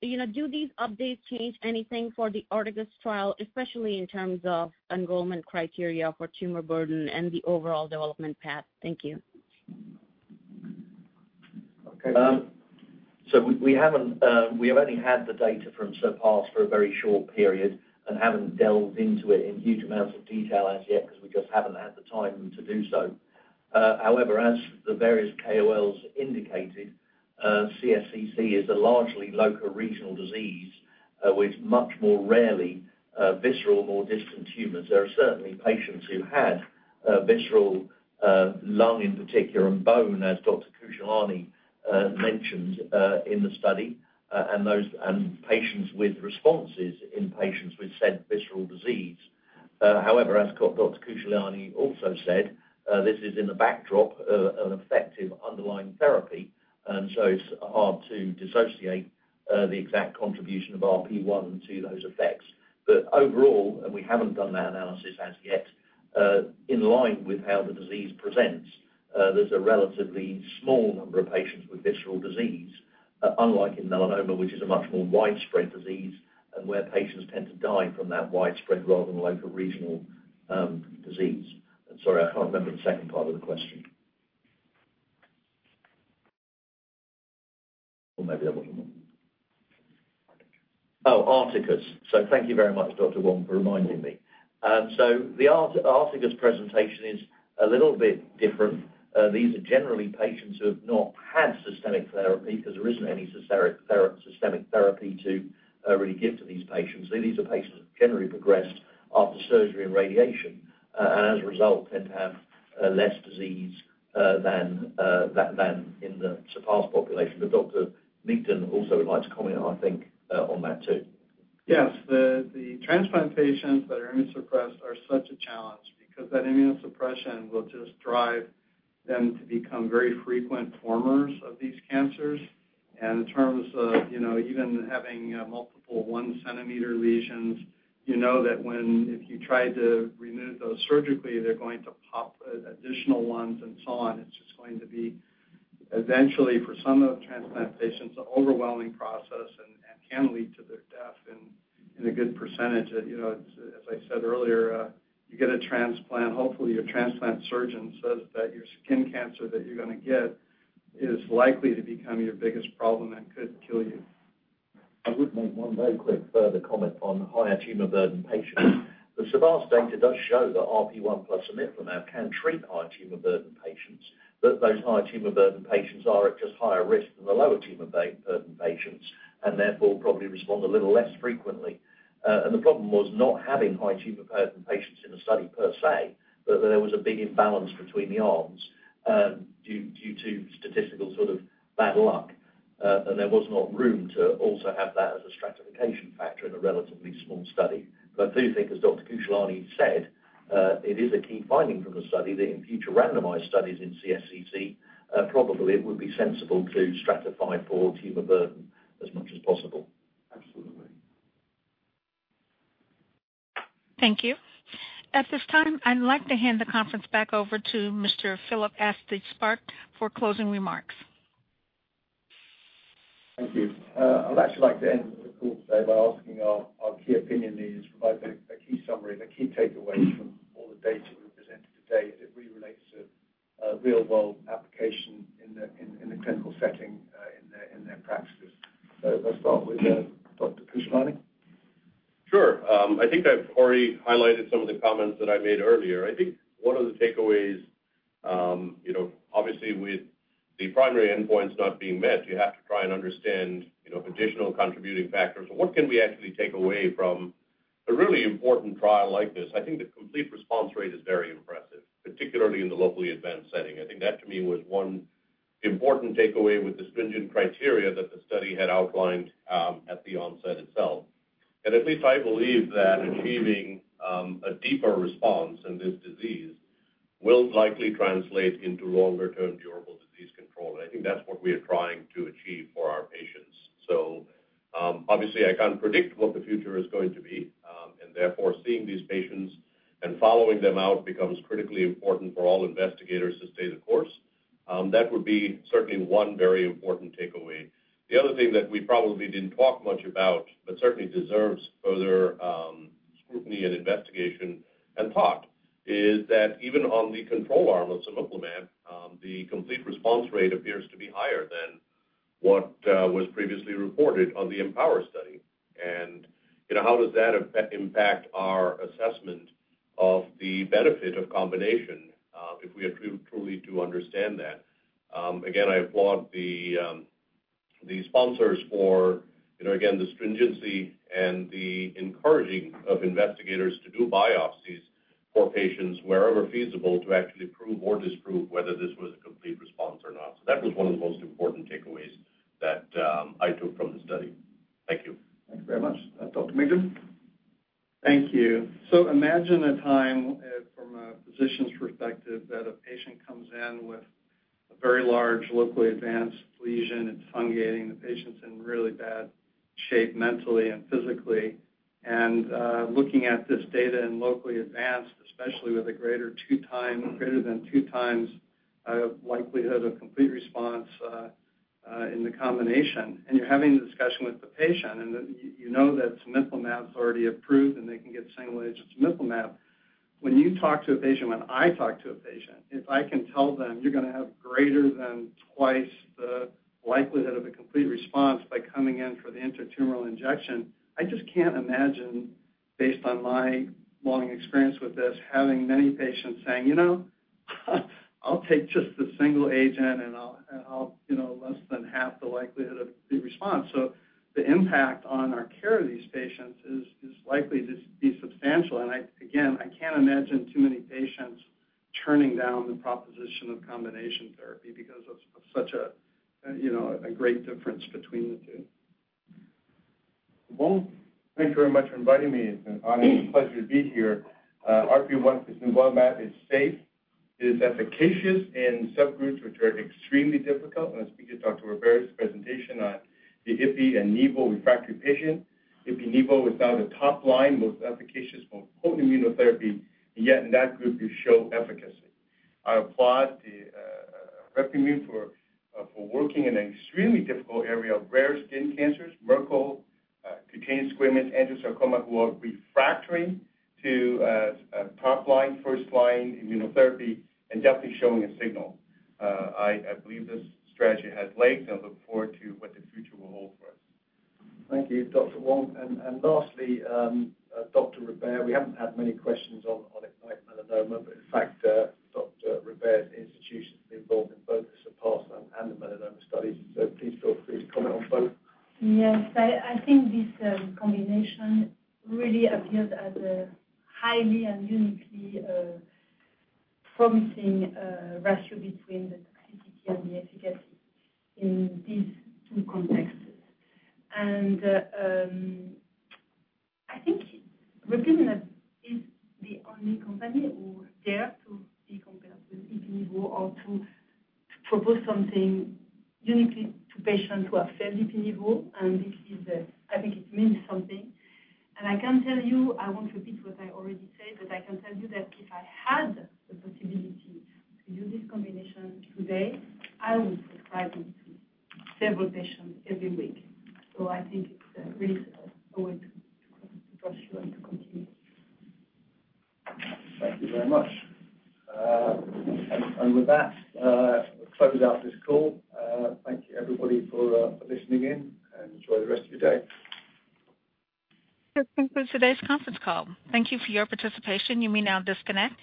Speaker 14: you know, do these updates change anything for the ARTACUS trial, especially in terms of enrollment criteria for tumor burden and the overall development path? Thank you.
Speaker 5: Okay. So we haven't, we have only had the data from SURPASS for a very short period and haven't delved into it in huge amounts of detail as yet, because we just haven't had the time to do so. However, as the various KOLs indicated, CSCC is a largely local regional disease, with much more rarely, visceral, more distant tumors. There are certainly patients who had visceral, lung in particular, and bone, as Dr. Khushalani mentioned, in the study, and patients with responses in patients with said visceral disease. However, as Dr. Khushalani also said, this is in the backdrop of an effective underlying therapy, and so it's hard to dissociate the exact contribution of RP1 to those effects. But overall, and we haven't done that analysis as yet, in line with how the disease presents, there's a relatively small number of patients with visceral disease, unlike in melanoma, which is a much more widespread disease and where patients tend to die from that widespread rather than local regional, disease. And sorry, I can't remember the second part of the question. Or maybe there was one more.
Speaker 6: ARTICUS.
Speaker 5: Oh, ARTACUS. So thank you very much, Dr. Wong, for reminding me. So the ARTACUS presentation is a little bit different. These are generally patients who have not had systemic therapy because there isn't any systemic therapy to really give to these patients. These are patients who have generally progressed after surgery and radiation, and as a result, tend to have less disease than in the SURPASS population. But Dr. Meakins also would like to comment, I think, on that, too.
Speaker 4: Yes. The transplant patients that are immunosuppressed are such a challenge because that immunosuppression will just drive them to become very frequent formers of these cancers. And in terms of, you know, even having multiple one centimeter lesions, you know that if you try to remove those surgically, they're going to pop additional ones and so on. It's just going to be eventually, for some of the transplant patients, an overwhelming process and can lead to their death in a good percentage. You know, as I said earlier, you get a transplant, hopefully, your transplant surgeon says that your skin cancer that you're going to get is likely to become your biggest problem and could kill you.
Speaker 5: I would make one very quick further comment on higher tumor burden patients. The SURPASS data does show that RP1 plus cemiplimab can treat higher tumor burden patients, but those higher tumor burden patients are at just higher risk than the lower tumor burden patients, and therefore, probably respond a little less frequently. And the problem was not having high tumor burden patients in the study per se, but there was a big imbalance between the arms, due to statistical sort of bad luck, and there was not room to also have that as a stratification factor in a relatively small study. But I do think, as Dr. Khushalani said, it is a key finding from the study that in future randomized studies in CSCC, probably it would be sensible to stratify for tumor burden as much as possible.
Speaker 4: Absolutely.
Speaker 1: Thank you. At this time, I'd like to hand the conference back over to Mr. Philip Astley-Sparke for closing remarks.
Speaker 5: Thank you. I'd actually like to end the call today by asking our key opinion leaders to provide a key summary, the key takeaways from all the data we presented today, as it relates to real-world application in the clinical setting in their practices. So let's start with Dr. Khushalani.
Speaker 3: Sure. I think I've already highlighted some of the comments that I made earlier. I think one of the takeaways, you know, obviously with the primary endpoints not being met, you have to try and understand, you know, additional contributing factors. What can we actually take away from a really important trial like this? I think the complete response rate is very impressive, particularly in the locally advanced setting. I think that to me was one important takeaway with the stringent criteria that the study had outlined, at the onset itself. And at least I believe that achieving a deeper response in this disease will likely translate into longer-term durable disease control. I think that's what we are trying to achieve for our patients. So, obviously, I can't predict what the future is going to be, and therefore, seeing these patients and following them out becomes critically important for all investigators to stay the course. That would be certainly one very important takeaway. The other thing that we probably didn't talk much about, but certainly deserves further, scrutiny and investigation and thought, is that even on the control arm of cemiplimab, the complete response rate appears to be higher than what was previously reported on the IMpower study. And, you know, how does that affect, impact our assessment of the benefit of combination, if we truly, truly do understand that? Again, I applaud the sponsors for, you know, again, the stringency and the encouraging of investigators to do biopsies for patients wherever feasible to actually prove or disprove whether this was a complete response or not. So that was one of the most important takeaways that I took from the study. Thank you.
Speaker 2: Thank you very much. Dr. Migden?
Speaker 4: Thank you. So imagine a time from a physician's perspective, that a patient comes in with a very large, locally advanced lesion, it's fungating, the patient's in really bad shape, mentally and physically. Looking at this data in locally advanced, especially with a greater two time-- greater than two times likelihood of complete response in the combination, and you're having a discussion with the patient, and you know that cemiplimab is already approved, and they can get single agent cemiplimab. When you talk to a patient, when I talk to a patient, if I can tell them, "You're gonna have greater than twice the likelihood of a complete response by coming in for the intratumoral injection," I just can't imagine, based on my long experience with this, having many patients saying, "You know, I'll take just the single agent and I'll, you know, less than half the likelihood of the response." So the impact on our care of these patients is likely to be substantial. And I, again, I can't imagine too many patients turning down the proposition of combination therapy because of such a, you know, a great difference between the two.
Speaker 2: Wong?
Speaker 6: Thanks very much for inviting me. It's an honor and pleasure to be here. RP1 cemiplimab is safe, it is efficacious in subgroups, which are extremely difficult. And speaking to Dr. Robert's presentation on the IPI and NIVO refractory patient, IPI/NIVO was found a top line, most efficacious for whole immunotherapy, and yet in that group, you show efficacy. I applaud the Replimune for working in an extremely difficult area of rare skin cancers, Merkel, cutaneous squamous, angiosarcoma, who are refractory to top line, first line immunotherapy, and definitely showing a signal. I believe this strategy has legs, and I look forward to what the future will hold for us.
Speaker 2: Thank you, Dr. Wong. And lastly, Dr. Robert, we haven't had many questions on melanoma, but in fact, Dr. Robert's institution is involved in both the SURPASS and the melanoma studies. So please feel free to comment on both.
Speaker 7: Yes, I think this combination really appears as a highly and uniquely promising ratio between the toxicity and the efficacy in these two contexts. And I think Replimune is the only company who dare to be compared with IPI/NIVO or to propose something uniquely to patients who have failed IPI/NIVO, and this is, I think it means something. And I can tell you, I won't repeat what I already said, but I can tell you that if I had the possibility to do this combination today, I would prescribe it to several patients every week. So I think it's really going to continue.
Speaker 2: Thank you very much. With that, we'll close out this call. Thank you, everybody, for listening in, and enjoy the rest of your day.
Speaker 1: This concludes today's conference call. Thank you for your participation. You may now disconnect.